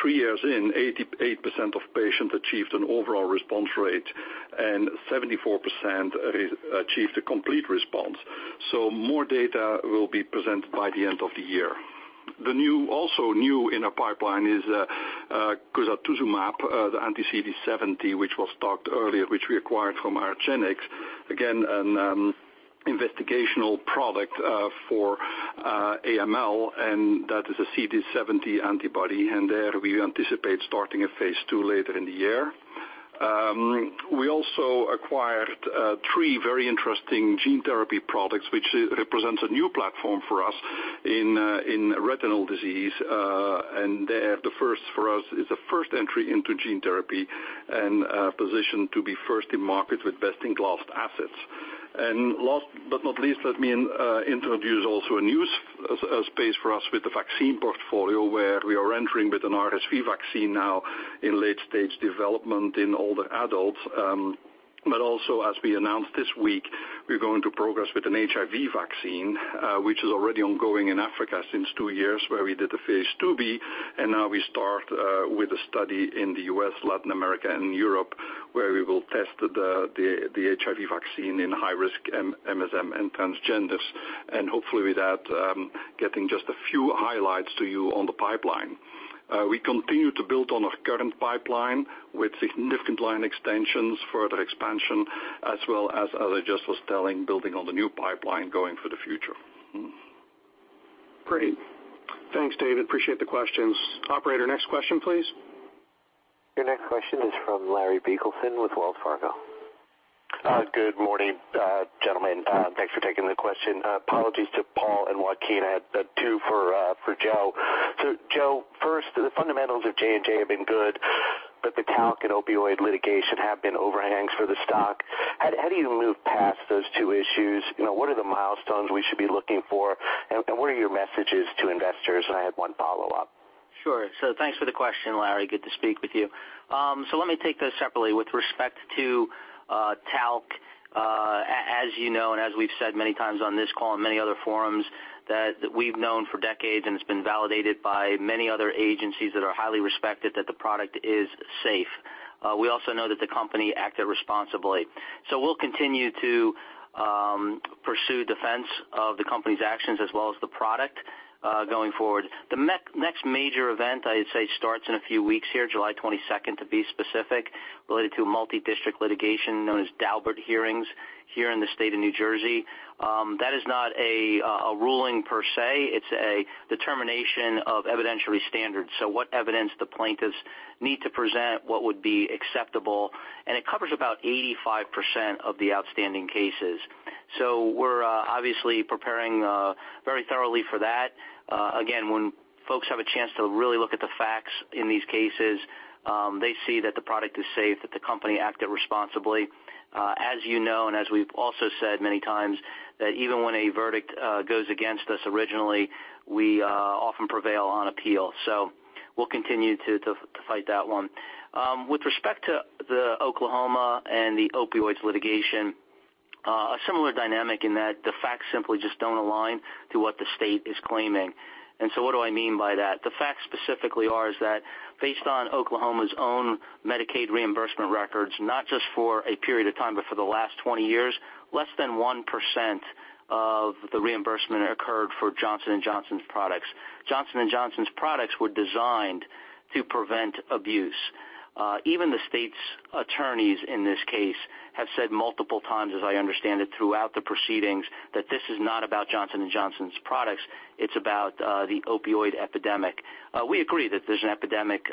three years in, 88% of patients achieved an overall response rate and 74% achieved a complete response. More data will be presented by the end of the year. Also new in our pipeline is cusatuzumab, the anti-CD70, which was talked earlier, which we acquired from argenx, again, an investigational product for AML, and that is a CD70 antibody. There we anticipate starting a phase II later in the year. We also acquired three very interesting gene therapy products, which represents a new platform for us in retinal disease. There, the first for us is the first entry into gene therapy and positioned to be first in market with best-in-class assets. Last but not least, let me introduce also a new space for us with the vaccine portfolio, where we are entering with an RSV vaccine now in late stage development in older adults. Also, as we announced this week, we're going to progress with an HIV vaccine, which is already ongoing in Africa since two years, where we did the phase II-B, now we start with a study in the U.S., Latin America, and Europe, where we will test the HIV vaccine in high-risk MSM and transgenders. Hopefully with that, getting just a few highlights to you on the pipeline. We continue to build on our current pipeline with significant line extensions, further expansion, as well as I just was telling, building on the new pipeline going for the future. Great. Thanks, David. Appreciate the questions. Operator, next question, please. Your next question is from Larry Biegelsen with Wells Fargo. Good morning, gentlemen. Thanks for taking the question. Apologies to Paul and Joaquin. I had two for Joe. Joe, first, the fundamentals of J&J have been good, but the talc and opioid litigation have been overhangs for the stock. How do you move past those two issues? What are the milestones we should be looking for, and what are your messages to investors? I had one follow-up. Sure. Thanks for the question, Larry. Good to speak with you. Let me take those separately. With respect to talc, as you know and as we've said many times on this call and many other forums, that we've known for decades, and it's been validated by many other agencies that are highly respected, that the product is safe. We also know that the company acted responsibly. We'll continue to pursue defense of the company's actions as well as the product going forward. The next major event, I'd say, starts in a few weeks here, July 22nd, to be specific, related to a multi-district litigation known as Daubert hearings here in the state of New Jersey. That is not a ruling per se. It's a determination of evidentiary standards. What evidence the plaintiffs need to present, what would be acceptable, and it covers about 85% of the outstanding cases. We're obviously preparing very thoroughly for that. Again, when folks have a chance to really look at the facts in these cases, they see that the product is safe, that the company acted responsibly. As you know and as we've also said many times, that even when a verdict goes against us originally, we often prevail on appeal. We'll continue to fight that one. With respect to the Oklahoma and the opioids litigation, a similar dynamic in that the facts simply just don't align to what the state is claiming. What do I mean by that? The facts specifically are is that based on Oklahoma's own Medicaid reimbursement records, not just for a period of time, but for the last 20 years, less than 1% of the reimbursement occurred for Johnson & Johnson's products. Johnson & Johnson's products were designed to prevent abuse. Even the state's attorneys in this case have said multiple times, as I understand it, throughout the proceedings, that this is not about Johnson & Johnson's products, it's about the opioid epidemic. We agree that there's an epidemic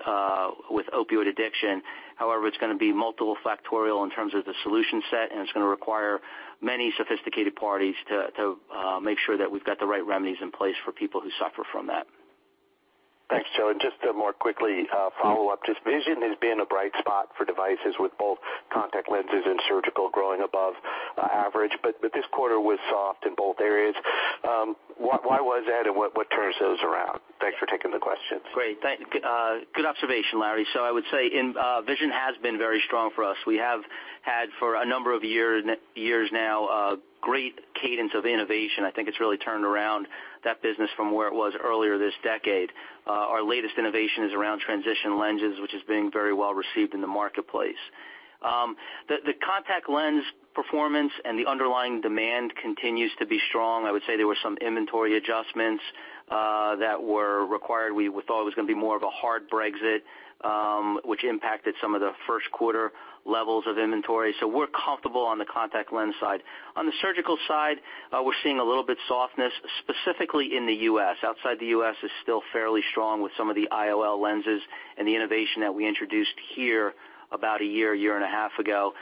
with opioid addiction. However, it's going to be multifactorial in terms of the solution set, and it's going to require many sophisticated parties to make sure that we've got the right remedies in place for people who suffer from that. Thanks, Joe. Just to more quickly follow up, vision has been a bright spot for devices with both contact lenses and surgical growing above average, but this quarter was soft in both areas. Why was that and what turns those around? Thanks for taking the question. Great. Good observation, Larry. I would say, vision has been very strong for us. We have had for a number of years now, great cadence of innovation. I think it's really turned around that business from where it was earlier this decade. Our latest innovation is around transition lenses, which is being very well received in the marketplace. The contact lens performance and the underlying demand continues to be strong. I would say there were some inventory adjustments that were required. We thought it was going to be more of a hard Brexit, which impacted some of the first quarter levels of inventory. We're comfortable on the contact lens side. On the surgical side, we're seeing a little bit softness, specifically in the U.S. Outside the U.S. is still fairly strong with some of the IOL lenses and the innovation that we introduced here about a year and a half ago.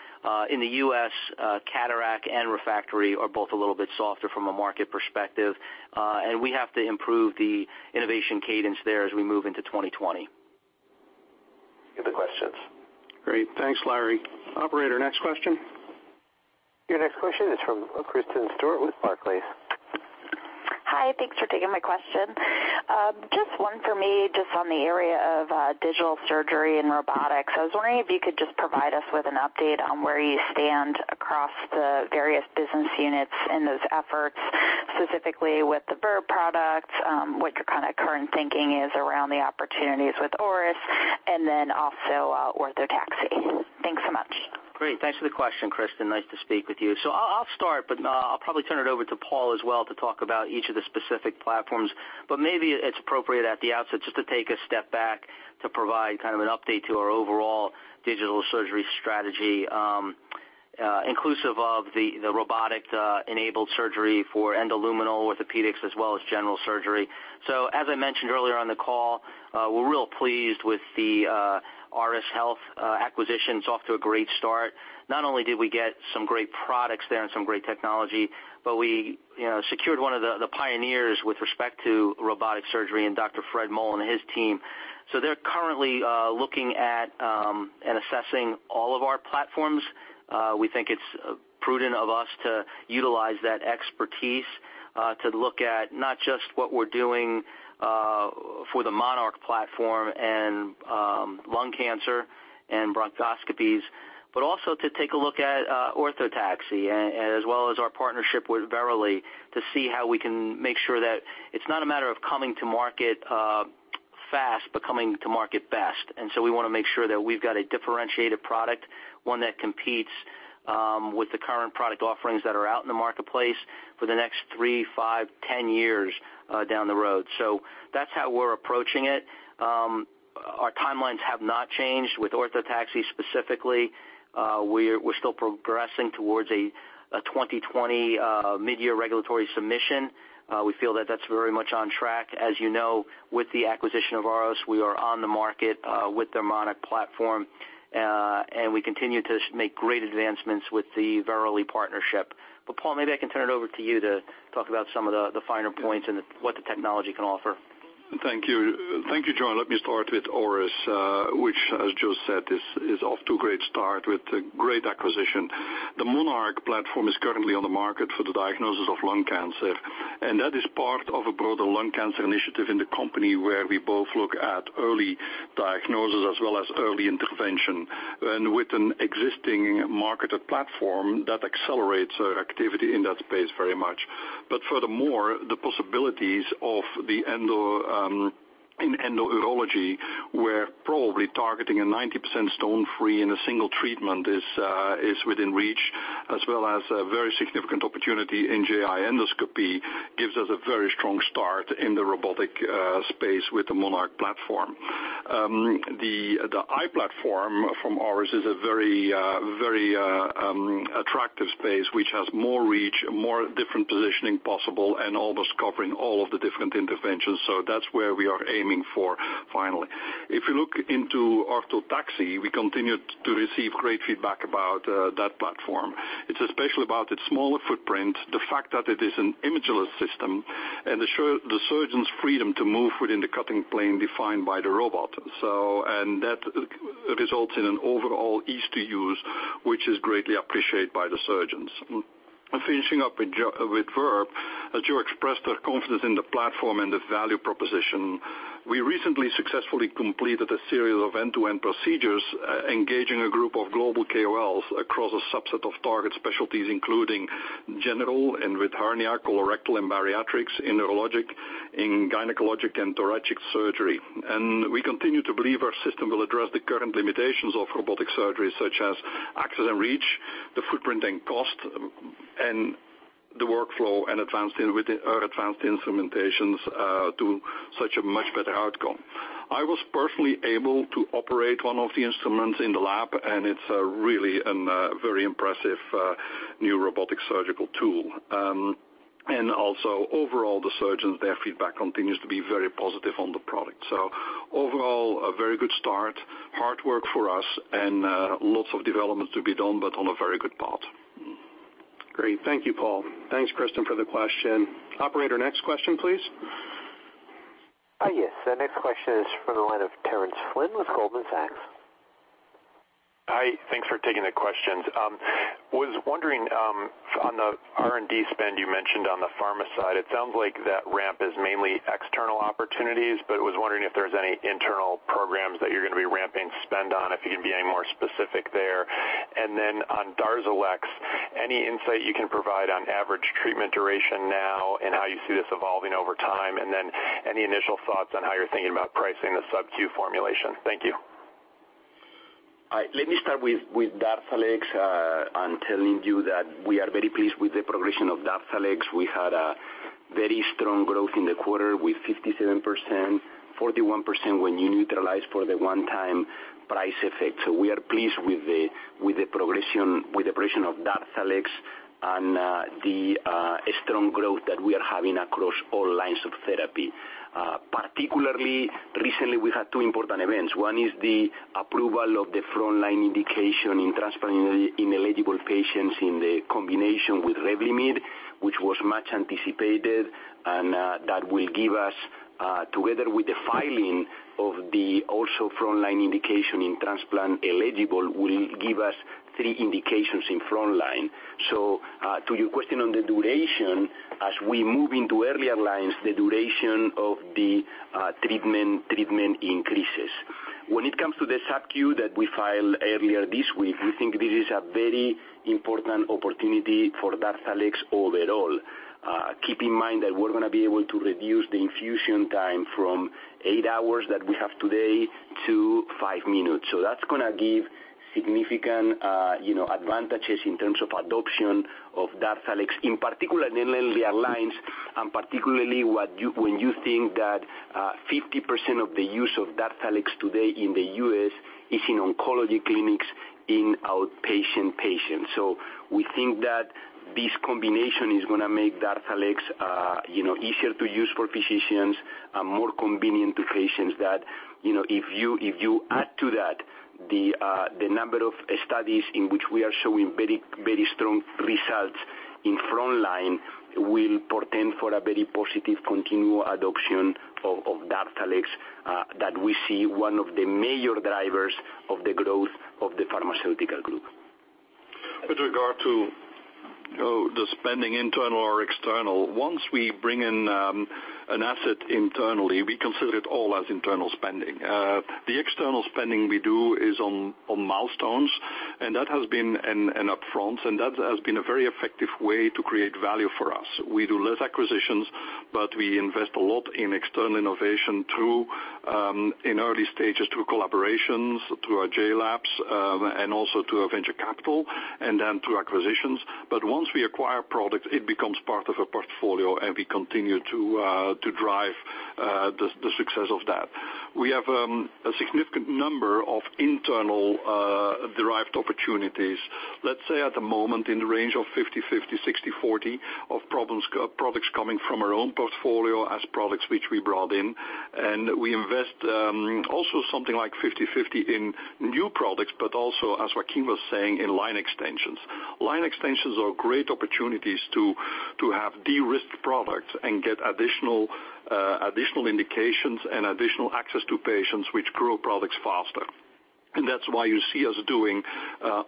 In the U.S., cataract and refractive are both a little bit softer from a market perspective. We have to improve the innovation cadence there as we move into 2020. [Thanks for taking my questions]. Great. Thanks, Larry. Operator, next question. Your next question is from Kristen Stewart with Barclays. Hi, thanks for taking my question. Just one for me, just on the area of digital surgery and robotics. I was wondering if you could just provide us with an update on where you stand across the various business units in those efforts, specifically with the Verb product, what your kind of current thinking is around the opportunities with Auris, and then also Orthotaxy. Thanks so much. Great. Thanks for the question, Kristen. Nice to speak with you. I'll start, but I'll probably turn it over to Paul as well to talk about each of the specific platforms. Maybe it's appropriate at the outset just to take a step back to provide kind of an update to our overall digital surgery strategy, inclusive of the robotic-enabled surgery for endoluminal orthopedics as well as general surgery. As I mentioned earlier on the call, we're real pleased with the Auris Health acquisition. It's off to a great start. Not only did we get some great products there and some great technology, but we secured one of the pioneers with respect to robotic surgery in Dr. Fred Moll and his team. They're currently looking at and assessing all of our platforms. We think it's prudent of us to utilize that expertise to look at not just what we're doing for the MONARCH platform and lung cancer and bronchoscopies, but also to take a look at Orthotaxy, as well as our partnership with Verily, to see how we can make sure that it's not a matter of coming to market fast, but coming to market best. We want to make sure that we've got a differentiated product, one that competes with the current product offerings that are out in the marketplace for the next three, five, 10 years down the road. That's how we're approaching it. Our timelines have not changed with Orthotaxy specifically. We're still progressing towards a 2020 mid-year regulatory submission. We feel that that's very much on track. As you know, with the acquisition of Auris, we are on the market with their MONARCH platform. We continue to make great advancements with the Verily partnership. Paul, maybe I can turn it over to you to talk about some of the finer points and what the technology can offer. Thank you. Thank you, Joe. Let me start with Auris, which as Joe said, is off to a great start with a great acquisition. The MONARCH platform is currently on the market for the diagnosis of lung cancer, and that is part of a broader lung cancer initiative in the company where we both look at early diagnosis as well as early intervention. With an existing marketed platform, that accelerates our activity in that space very much. Furthermore, the possibilities in endourology, we're probably targeting a 90% stone-free in a single treatment is within reach, as well as a very significant opportunity in GI endoscopy gives us a very strong start in the robotic space with the MONARCH platform. The [MONARCH] from Auris is a very attractive space, which has more reach, more different positioning possible, and almost covering all of the different interventions. That's where we are aiming for finally. If you look into Orthotaxy, we continue to receive great feedback about that platform. It's especially about its smaller footprint, the fact that it is an imageless system, and the surgeon's freedom to move within the cutting plane defined by the robot. That results in an overall ease to use, which is greatly appreciated by the surgeons. Finishing up with Verb, as you expressed the confidence in the platform and the value proposition, we recently successfully completed a series of end-to-end procedures engaging a group of global KOLs across a subset of target specialties, including general and with hernial, colorectal, and bariatrics, in urologic, in gynecologic, and thoracic surgery. We continue to believe our system will address the current limitations of robotic surgery, such as access and reach, the footprint and cost, and the workflow and advanced instrumentations to such a much better outcome. I was personally able to operate one of the instruments in the lab, and it's really a very impressive new robotic surgical tool. Also overall, the surgeons, their feedback continues to be very positive on the product. Overall, a very good start. Hard work for us and lots of development to be done, but on a very good path. Great. Thank you, Paul. Thanks, Kristen, for the question. Operator, next question, please. Yes. The next question is from the line of Terence Flynn with Goldman Sachs. Hi. Thanks for taking the questions. Was wondering on the R&D spend you mentioned on the pharma side, it sounds like that ramp is mainly external opportunities, but was wondering if there's any internal programs that you're going to be ramping spend on, if you can be any more specific there. Then on DARZALEX, any insight you can provide on average treatment duration now and how you see this evolving over time, and then any initial thoughts on how you're thinking about pricing the subq formulation. Thank you. Let me start with DARZALEX and telling you that we are very pleased with the progression of DARZALEX. We had a very strong growth in the quarter with 57%, 41% when you neutralize for the one-time price effect. We are pleased with the progression of DARZALEX and the strong growth that we are having across all lines of therapy. Particularly, recently we had two important events. One is the approval of the frontline indication in transplant-ineligible patients in the combination with REVLIMID, which was much anticipated, and that will give us, together with the filing of the also frontline indication in transplant-eligible, will give us three indications in frontline. To your question on the duration, as we move into earlier lines, the duration of the treatment increases. When it comes to the subq that we filed earlier this week, we think this is a very important opportunity for DARZALEX overall. Keep in mind that we're going to be able to reduce the infusion time from eight hours that we have today to five minutes. That's going to give significant advantages in terms of adoption of DARZALEX, in particular in earlier lines, and particularly when you think that 50% of the use of DARZALEX today in the U.S. is in oncology clinics in outpatient patients. We think that this combination is going to make DARZALEX easier to use for physicians and more convenient to patients that if you add to that the number of studies in which we are showing very strong results in frontline will portend for a very positive continual adoption of DARZALEX that we see one of the major drivers of the growth of the pharmaceutical group. With regard to the spending, internal or external, once we bring in an asset internally, we consider it all as internal spending. The external spending we do is on milestones and upfronts, and that has been a very effective way to create value for us. We do less acquisitions, we invest a lot in external innovation in early stages through collaborations, through our JLABS, and also through our venture capital, and then through acquisitions. Once we acquire products, it becomes part of a portfolio, and we continue to drive the success of that. We have a significant number of internal-derived opportunities, let's say at the moment in the range of 50/50, 60/40 of products coming from our own portfolio as products which we brought in. We invest also something like 50/50 in new products, but also, as Joaquin was saying, in line extensions. Line extensions are great opportunities to have de-risked products and get additional indications and additional access to patients, which grow products faster. That's why you see us doing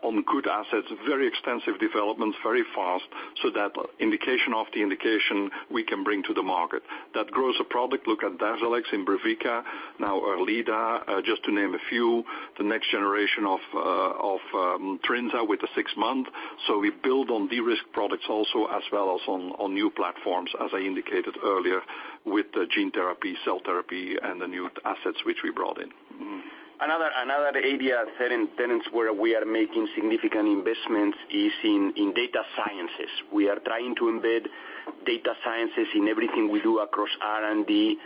on good assets, very extensive developments, very fast, so that indication after indication we can bring to the market. That grows a product. Look at DARZALEX, IMBRUVICA, now ERLEADA, just to name a few, the next generation of TREMFYA with the six-month. We build on de-risk products also as well as on new platforms, as I indicated earlier, with the gene therapy, cell therapy, and the new assets which we brought in. Another area, Terence, where we are making significant investments is in data sciences. We are trying to embed data sciences in everything we do across R&D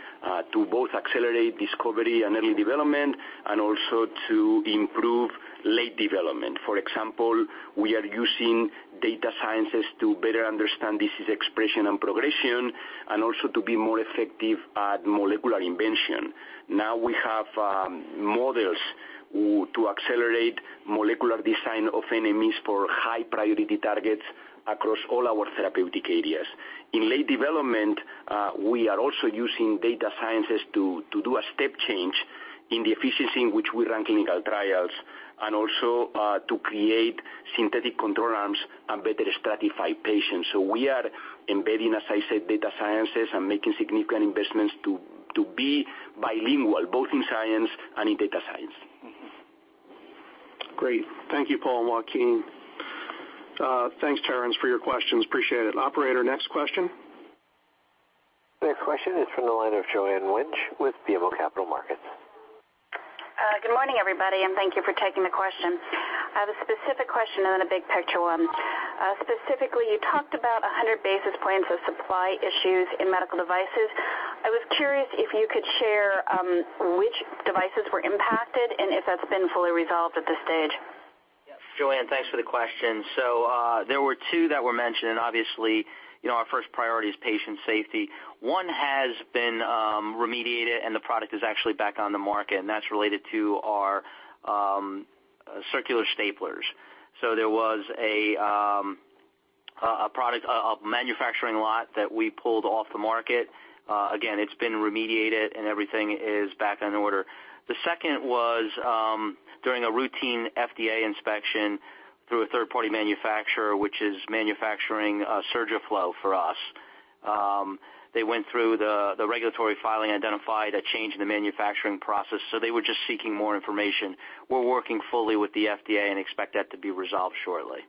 to both accelerate discovery and early development and also to improve late development. For example, we are using data sciences to better understand disease expression and progression and also to be more effective at molecular invention. Now we have models to accelerate molecular design of molecules for high-priority targets across all our therapeutic areas. In late development, we are also using data sciences to do a step change in the efficiency in which we run clinical trials and also to create synthetic control arms and better stratify patients. We are embedding, as I said, data sciences and making significant investments to be bilingual, both in science and in data science. Great. Thank you, Paul and Joaquin. Thanks, Terence, for your questions. Appreciate it. Operator, next question. The next question is from the line of Joanne Wuensch with BMO Capital Markets. Good morning, everybody, thank you for taking the question. I have a specific question and then a big picture one. Specifically, you talked about 100 basis points of supply issues in medical devices. I was curious if you could share which devices were impacted and if that's been fully resolved at this stage. Joanne, thanks for the question. There were two that were mentioned, obviously, our first priority is patient safety. One has been remediated, the product is actually back on the market, that's related to our circular staplers. There was a product of manufacturing lot that we pulled off the market. Again, it's been remediated and everything is back in order. The second was during a routine FDA inspection through a third-party manufacturer, which is manufacturing SURGIFLO for us. They went through the regulatory filing, identified a change in the manufacturing process, they were just seeking more information. We're working fully with the FDA, expect that to be resolved shortly.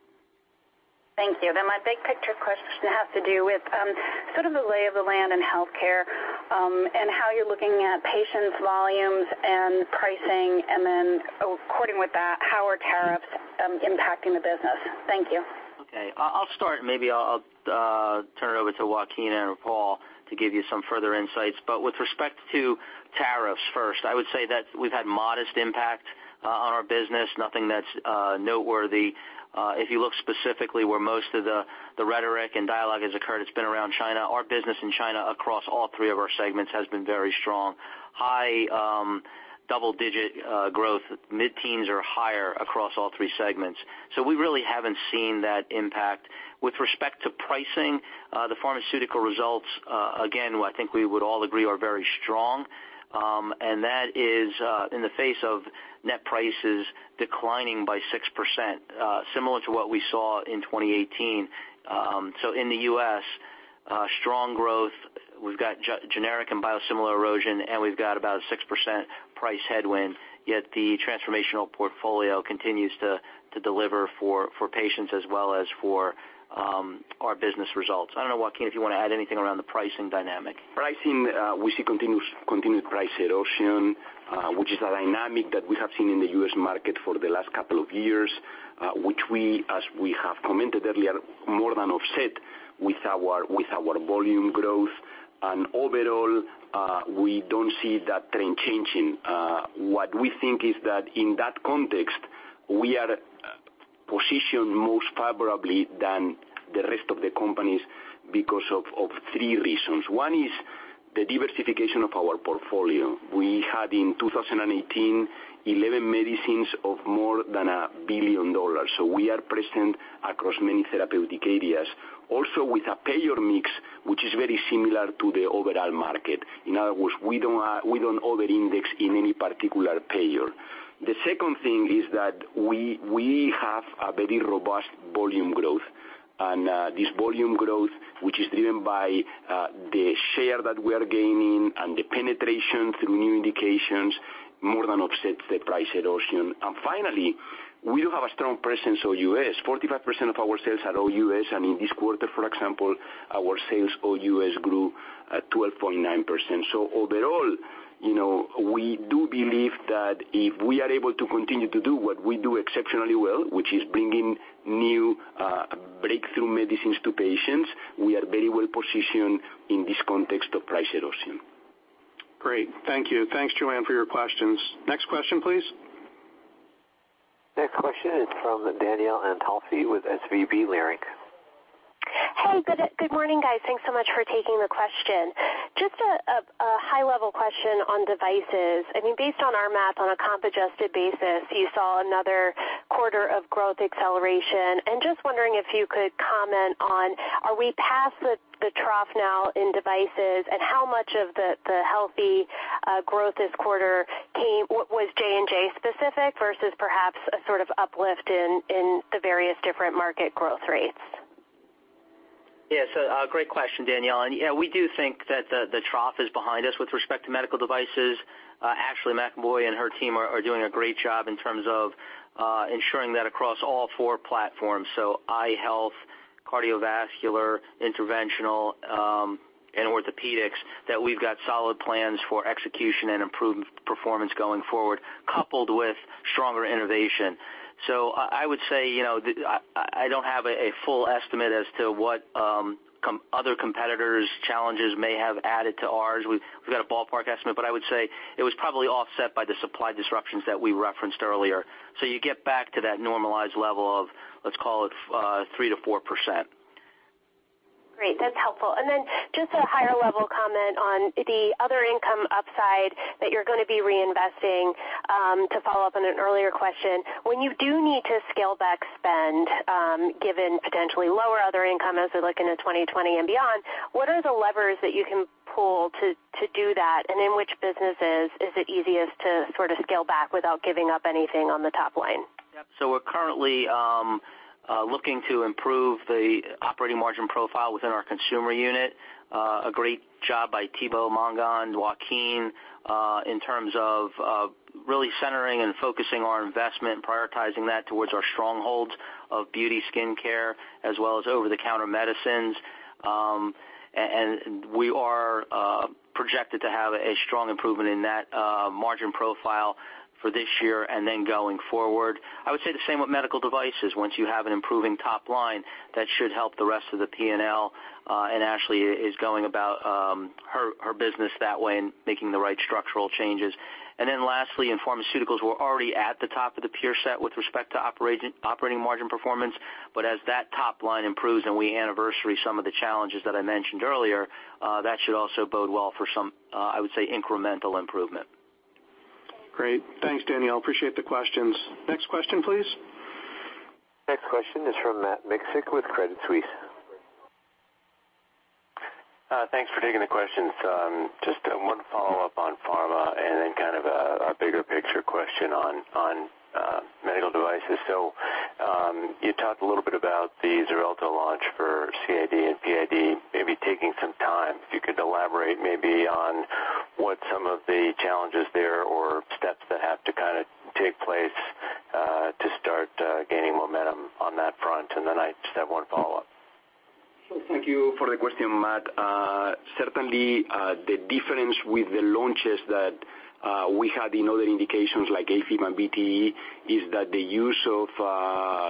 Thank you. My big-picture question has to do with sort of the lay of the land in healthcare, how you're looking at patients, volumes, and pricing, according with that, how are tariffs impacting the business? Thank you. Okay. I'll start, maybe I'll turn it over to Joaquin or Paul to give you some further insights. With respect to tariffs, first, I would say that we've had modest impact on our business. Nothing that's noteworthy. If you look specifically where most of the rhetoric and dialogue has occurred, it's been around China. Our business in China across all three of our segments has been very strong. High double-digit growth, mid-teens or higher across all three segments. We really haven't seen that impact. With respect to pricing, the pharmaceutical results, again, I think we would all agree, are very strong. That is in the face of net prices declining by 6%, similar to what we saw in 2018. In the U.S., strong growth. We've got generic and biosimilar erosion, and we've got about a 6% price headwind, yet the transformational portfolio continues to deliver for patients as well as for our business results. I don't know, Joaquin, if you want to add anything around the pricing dynamic. Pricing, we see continued price erosion, which is a dynamic that we have seen in the U.S. market for the last couple of years, which we, as we have commented earlier, more than offset with our volume growth. Overall, we don't see that trend changing. What we think is that in that context, we are positioned more favorably than the rest of the companies because of three reasons. One is the diversification of our portfolio. We had in 2018, 11 medicines of more than a billion dollars. We are present across many therapeutic areas. Also with a payer mix, which is very similar to the overall market. In other words, we don't over-index in any particular payer. The second thing is that we have a very robust volume growth. This volume growth, which is driven by the share that we are gaining and the penetration through new indications, more than offsets the price erosion. Finally, we have a strong presence OUS, 45% of our sales are OUS, and in this quarter, for example, our sales OUS grew at 12.9%. Overall, we do believe that if we are able to continue to do what we do exceptionally well, which is bringing new breakthrough medicines to patients, we are very well positioned in this context of price erosion. Great. Thank you. Thanks, Joanne, for your questions. Next question, please. Next question is from Danielle Antalffy with SVB Leerink. Hey. Good morning, guys. Thanks so much for taking the question. Just a high-level question on devices. Based on our math on a comp-adjusted basis, you saw another quarter of growth acceleration. Just wondering if you could comment on, are we past the trough now in devices, and how much of the healthy growth this quarter was J&J specific versus perhaps a sort of uplift in the various different market growth rates? Yes. Great question, Danielle. We do think that the trough is behind us with respect to medical devices. Ashley McEvoy and her team are doing a great job in terms of ensuring that across all four platforms, so eye health, cardiovascular, interventional, and orthopedics, that we've got solid plans for execution and improved performance going forward, coupled with stronger innovation. I would say, I don't have a full estimate as to what other competitors' challenges may have added to ours. We've got a ballpark estimate, I would say it was probably offset by the supply disruptions that we referenced earlier. You get back to that normalized level of, let's call it 3%-4%. Great. That's helpful. Then just a higher-level comment on the other income upside that you're going to be reinvesting, to follow up on an earlier question. When you do need to scale back spend, given potentially lower other income as we look into 2020 and beyond, what are the levers that you can pull to do that, and in which businesses is it easiest to sort of scale back without giving up anything on the top line? Yep. We're currently looking to improve the operating margin profile within our consumer unit. A great job by Thibaut Mongon, Joaquin, in terms of really centering and focusing our investment, prioritizing that towards our strongholds of beauty skincare as well as over-the-counter medicines. And we are projected to have a strong improvement in that margin profile for this year and then going forward. I would say the same with medical devices. Once you have an improving top line, that should help the rest of the P&L, and Ashley is going about her business that way and making the right structural changes. And then lastly, in pharmaceuticals, we're already at the top of the peer set with respect to operating margin performance. As that top line improves and we anniversary some of the challenges that I mentioned earlier, that should also bode well for some, I would say, incremental improvement. Great. Thanks, Danielle. Appreciate the questions. Next question, please. Next question is from Matt Miksic with Credit Suisse. Thanks for taking the questions. Just one follow-up on pharma and then kind of a bigger picture question on medical devices. You talked a little bit about the XARELTO launch for CAD and PAD maybe taking some time. If you could elaborate maybe on what some of the challenges there or steps that have to take place to start gaining momentum on that front. And then I just have one follow-up. Thank you for the question, Matt. Certainly, the difference with the launches that we had in other indications like AFib and VTE is that the use of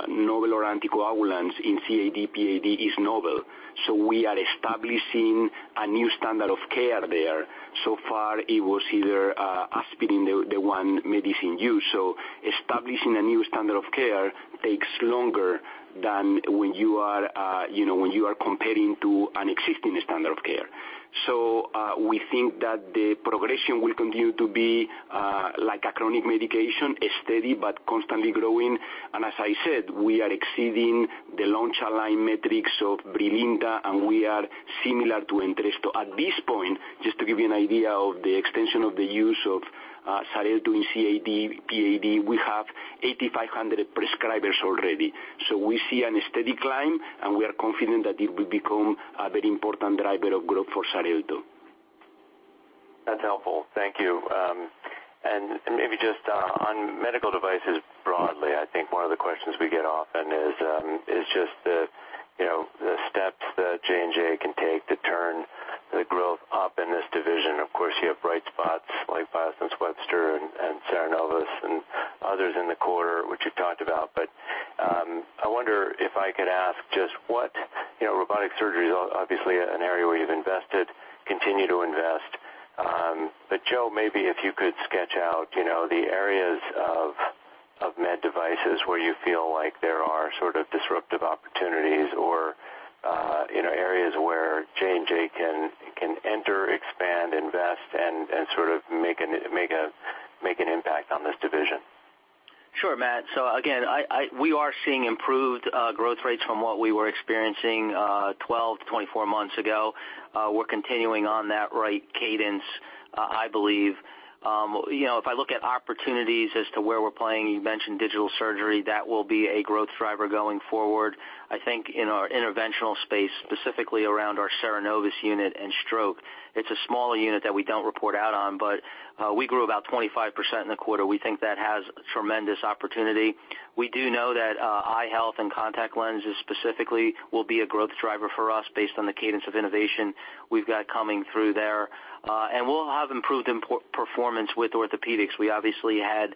novel or anticoagulants in CAD/PAD is novel. We are establishing a new standard of care there. So far it was either aspirin, the one medicine used. Establishing a new standard of care takes longer than when you are comparing to an existing standard of care. We think that the progression will continue to be like a chronic medication, steady but constantly growing. And as I said, we are exceeding the launch align metrics of BRILINTA, and we are similar to Entresto. At this point, just to give you an idea of the extension of the use of XARELTO in CAD, PAD, we have 8,500 prescribers already. We see a steady climb, and we are confident that it will become a very important driver of growth for XARELTO. That's helpful. Thank you. Maybe just on medical devices broadly, I think one of the questions we get often is just the steps that J&J can take to turn the growth up in this division. Of course, you have bright spots like Biosense Webster and CERENOVUS and others in the quarter, which you've talked about. I wonder if I could ask just what, robotic surgery is obviously an area where you've invested, continue to invest. Joe, maybe if you could sketch out the areas of med devices where you feel like there are sort of disruptive opportunities or areas where J&J can enter, expand, invest and sort of make an impact on this division. Sure, Matt. Again, we are seeing improved growth rates from what we were experiencing 12 to 24 months ago. We're continuing on that right cadence, I believe. If I look at opportunities as to where we're playing, you mentioned digital surgery, that will be a growth driver going forward. I think in our interventional space, specifically around our CERENOVUS unit and stroke, it's a smaller unit that we don't report out on, but we grew about 25% in the quarter. We think that has tremendous opportunity. We do know that eye health and contact lenses specifically will be a growth driver for us based on the cadence of innovation we've got coming through there. We'll have improved performance with orthopedics. We obviously had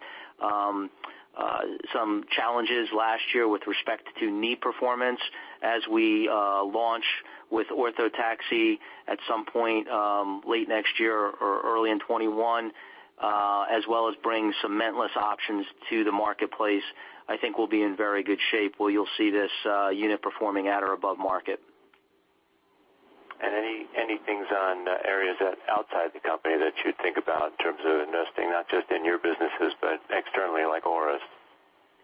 some challenges last year with respect to knee performance as we launch with Orthotaxy at some point late next year or early in 2021, as well as bring some cementless options to the marketplace, I think we'll be in very good shape where you'll see this unit performing at or above market. Any things on areas that outside the company that you think about in terms of investing, not just in your businesses, but externally, like Auris?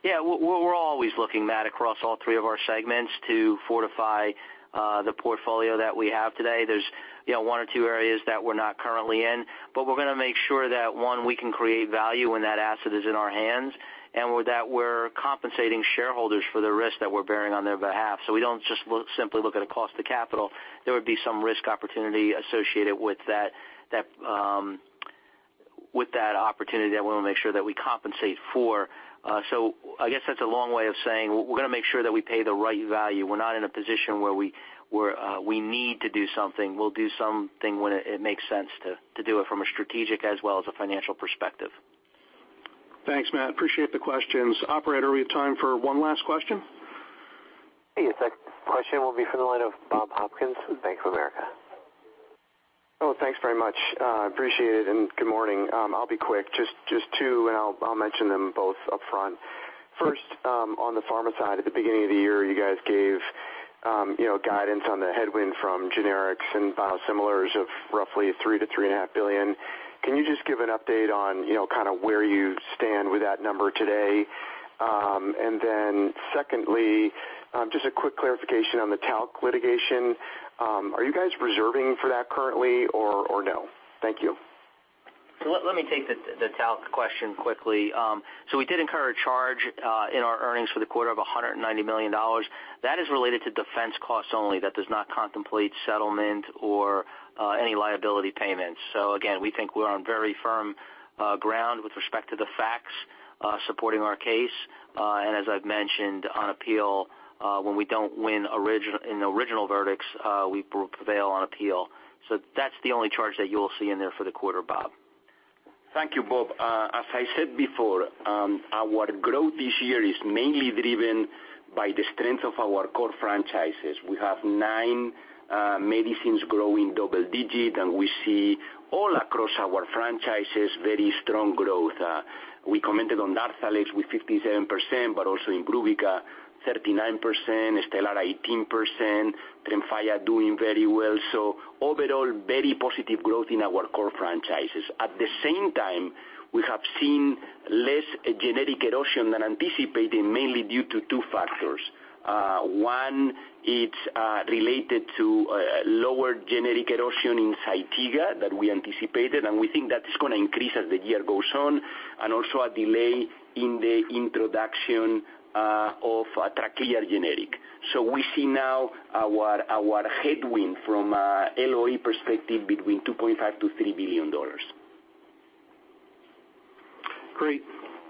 Yeah, we're always looking, Matt, across all three of our segments to fortify the portfolio that we have today. There's one or two areas that we're not currently in, but we're going to make sure that, one, we can create value when that asset is in our hands, and that we're compensating shareholders for the risk that we're bearing on their behalf. We don't just simply look at a cost of capital. There would be some risk opportunity associated with that opportunity that we want to make sure that we compensate for. I guess that's a long way of saying we're going to make sure that we pay the right value. We're not in a position where we need to do something. We'll do something when it makes sense to do it from a strategic as well as a financial perspective. Thanks, Matt. Appreciate the questions. Operator, we have time for one last question. The question will be from the line of Bob Hopkins from Bank of America. Thanks very much. Appreciate it, good morning. I'll be quick. Just two, I'll mention them both upfront. First, on the pharma side, at the beginning of the year, you guys gave guidance on the headwind from generics and biosimilars of roughly three to three and a half billion. Can you just give an update on kind of where you stand with that number today? Secondly, just a quick clarification on the talc litigation. Are you guys reserving for that currently or no? Thank you. Let me take the talc question quickly. We did incur a charge in our earnings for the quarter of $190 million. That is related to defense costs only. That does not contemplate settlement or any liability payments. Again, we think we're on very firm ground with respect to the facts supporting our case. As I've mentioned on appeal, when we don't win in the original verdicts, we prevail on appeal. That's the only charge that you will see in there for the quarter, Bob. Thank you, Bob. As I said before, our growth this year is mainly driven by the strength of our core franchises. We have nine medicines growing double digit, and we see all across our franchises very strong growth. We commented on DARZALEX with 57%, IMBRUVICA 39%, STELARA 18%, TREMFYA doing very well. Overall, very positive growth in our core franchises. At the same time, we have seen less generic erosion than anticipated, mainly due to two factors. One, it's related to lower generic erosion in ZYTIGA that we anticipated, and we think that's going to increase as the year goes on, and also a delay in the introduction of a TRACLEER generic. We see now our headwind from a LOE perspective between $2.5 billion-$3 billion. Great.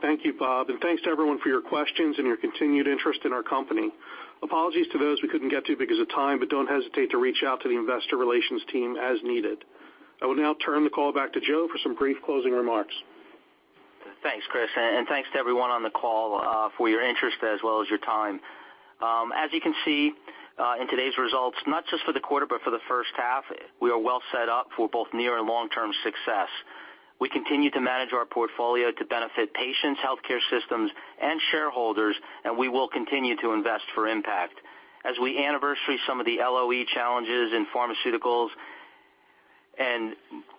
Thank you, Bob. Thanks to everyone for your questions and your continued interest in our company. Apologies to those we couldn't get to because of time, don't hesitate to reach out to the investor relations team as needed. I will now turn the call back to Joe for some brief closing remarks. Thanks, Chris, thanks to everyone on the call for your interest as well as your time. As you can see in today's results, not just for the quarter, but for the first half, we are well set up for both near and long-term success. We continue to manage our portfolio to benefit patients, healthcare systems, and shareholders, we will continue to invest for impact. As we anniversary some of the LOE challenges in pharmaceuticals and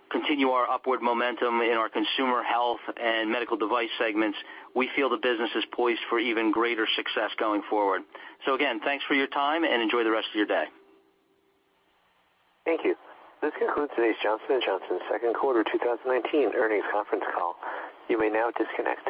continue our upward momentum in our consumer health and medical device segments, we feel the business is poised for even greater success going forward. Again, thanks for your time and enjoy the rest of your day. Thank you. This concludes today's Johnson & Johnson second quarter 2019 earnings conference call. You may now disconnect.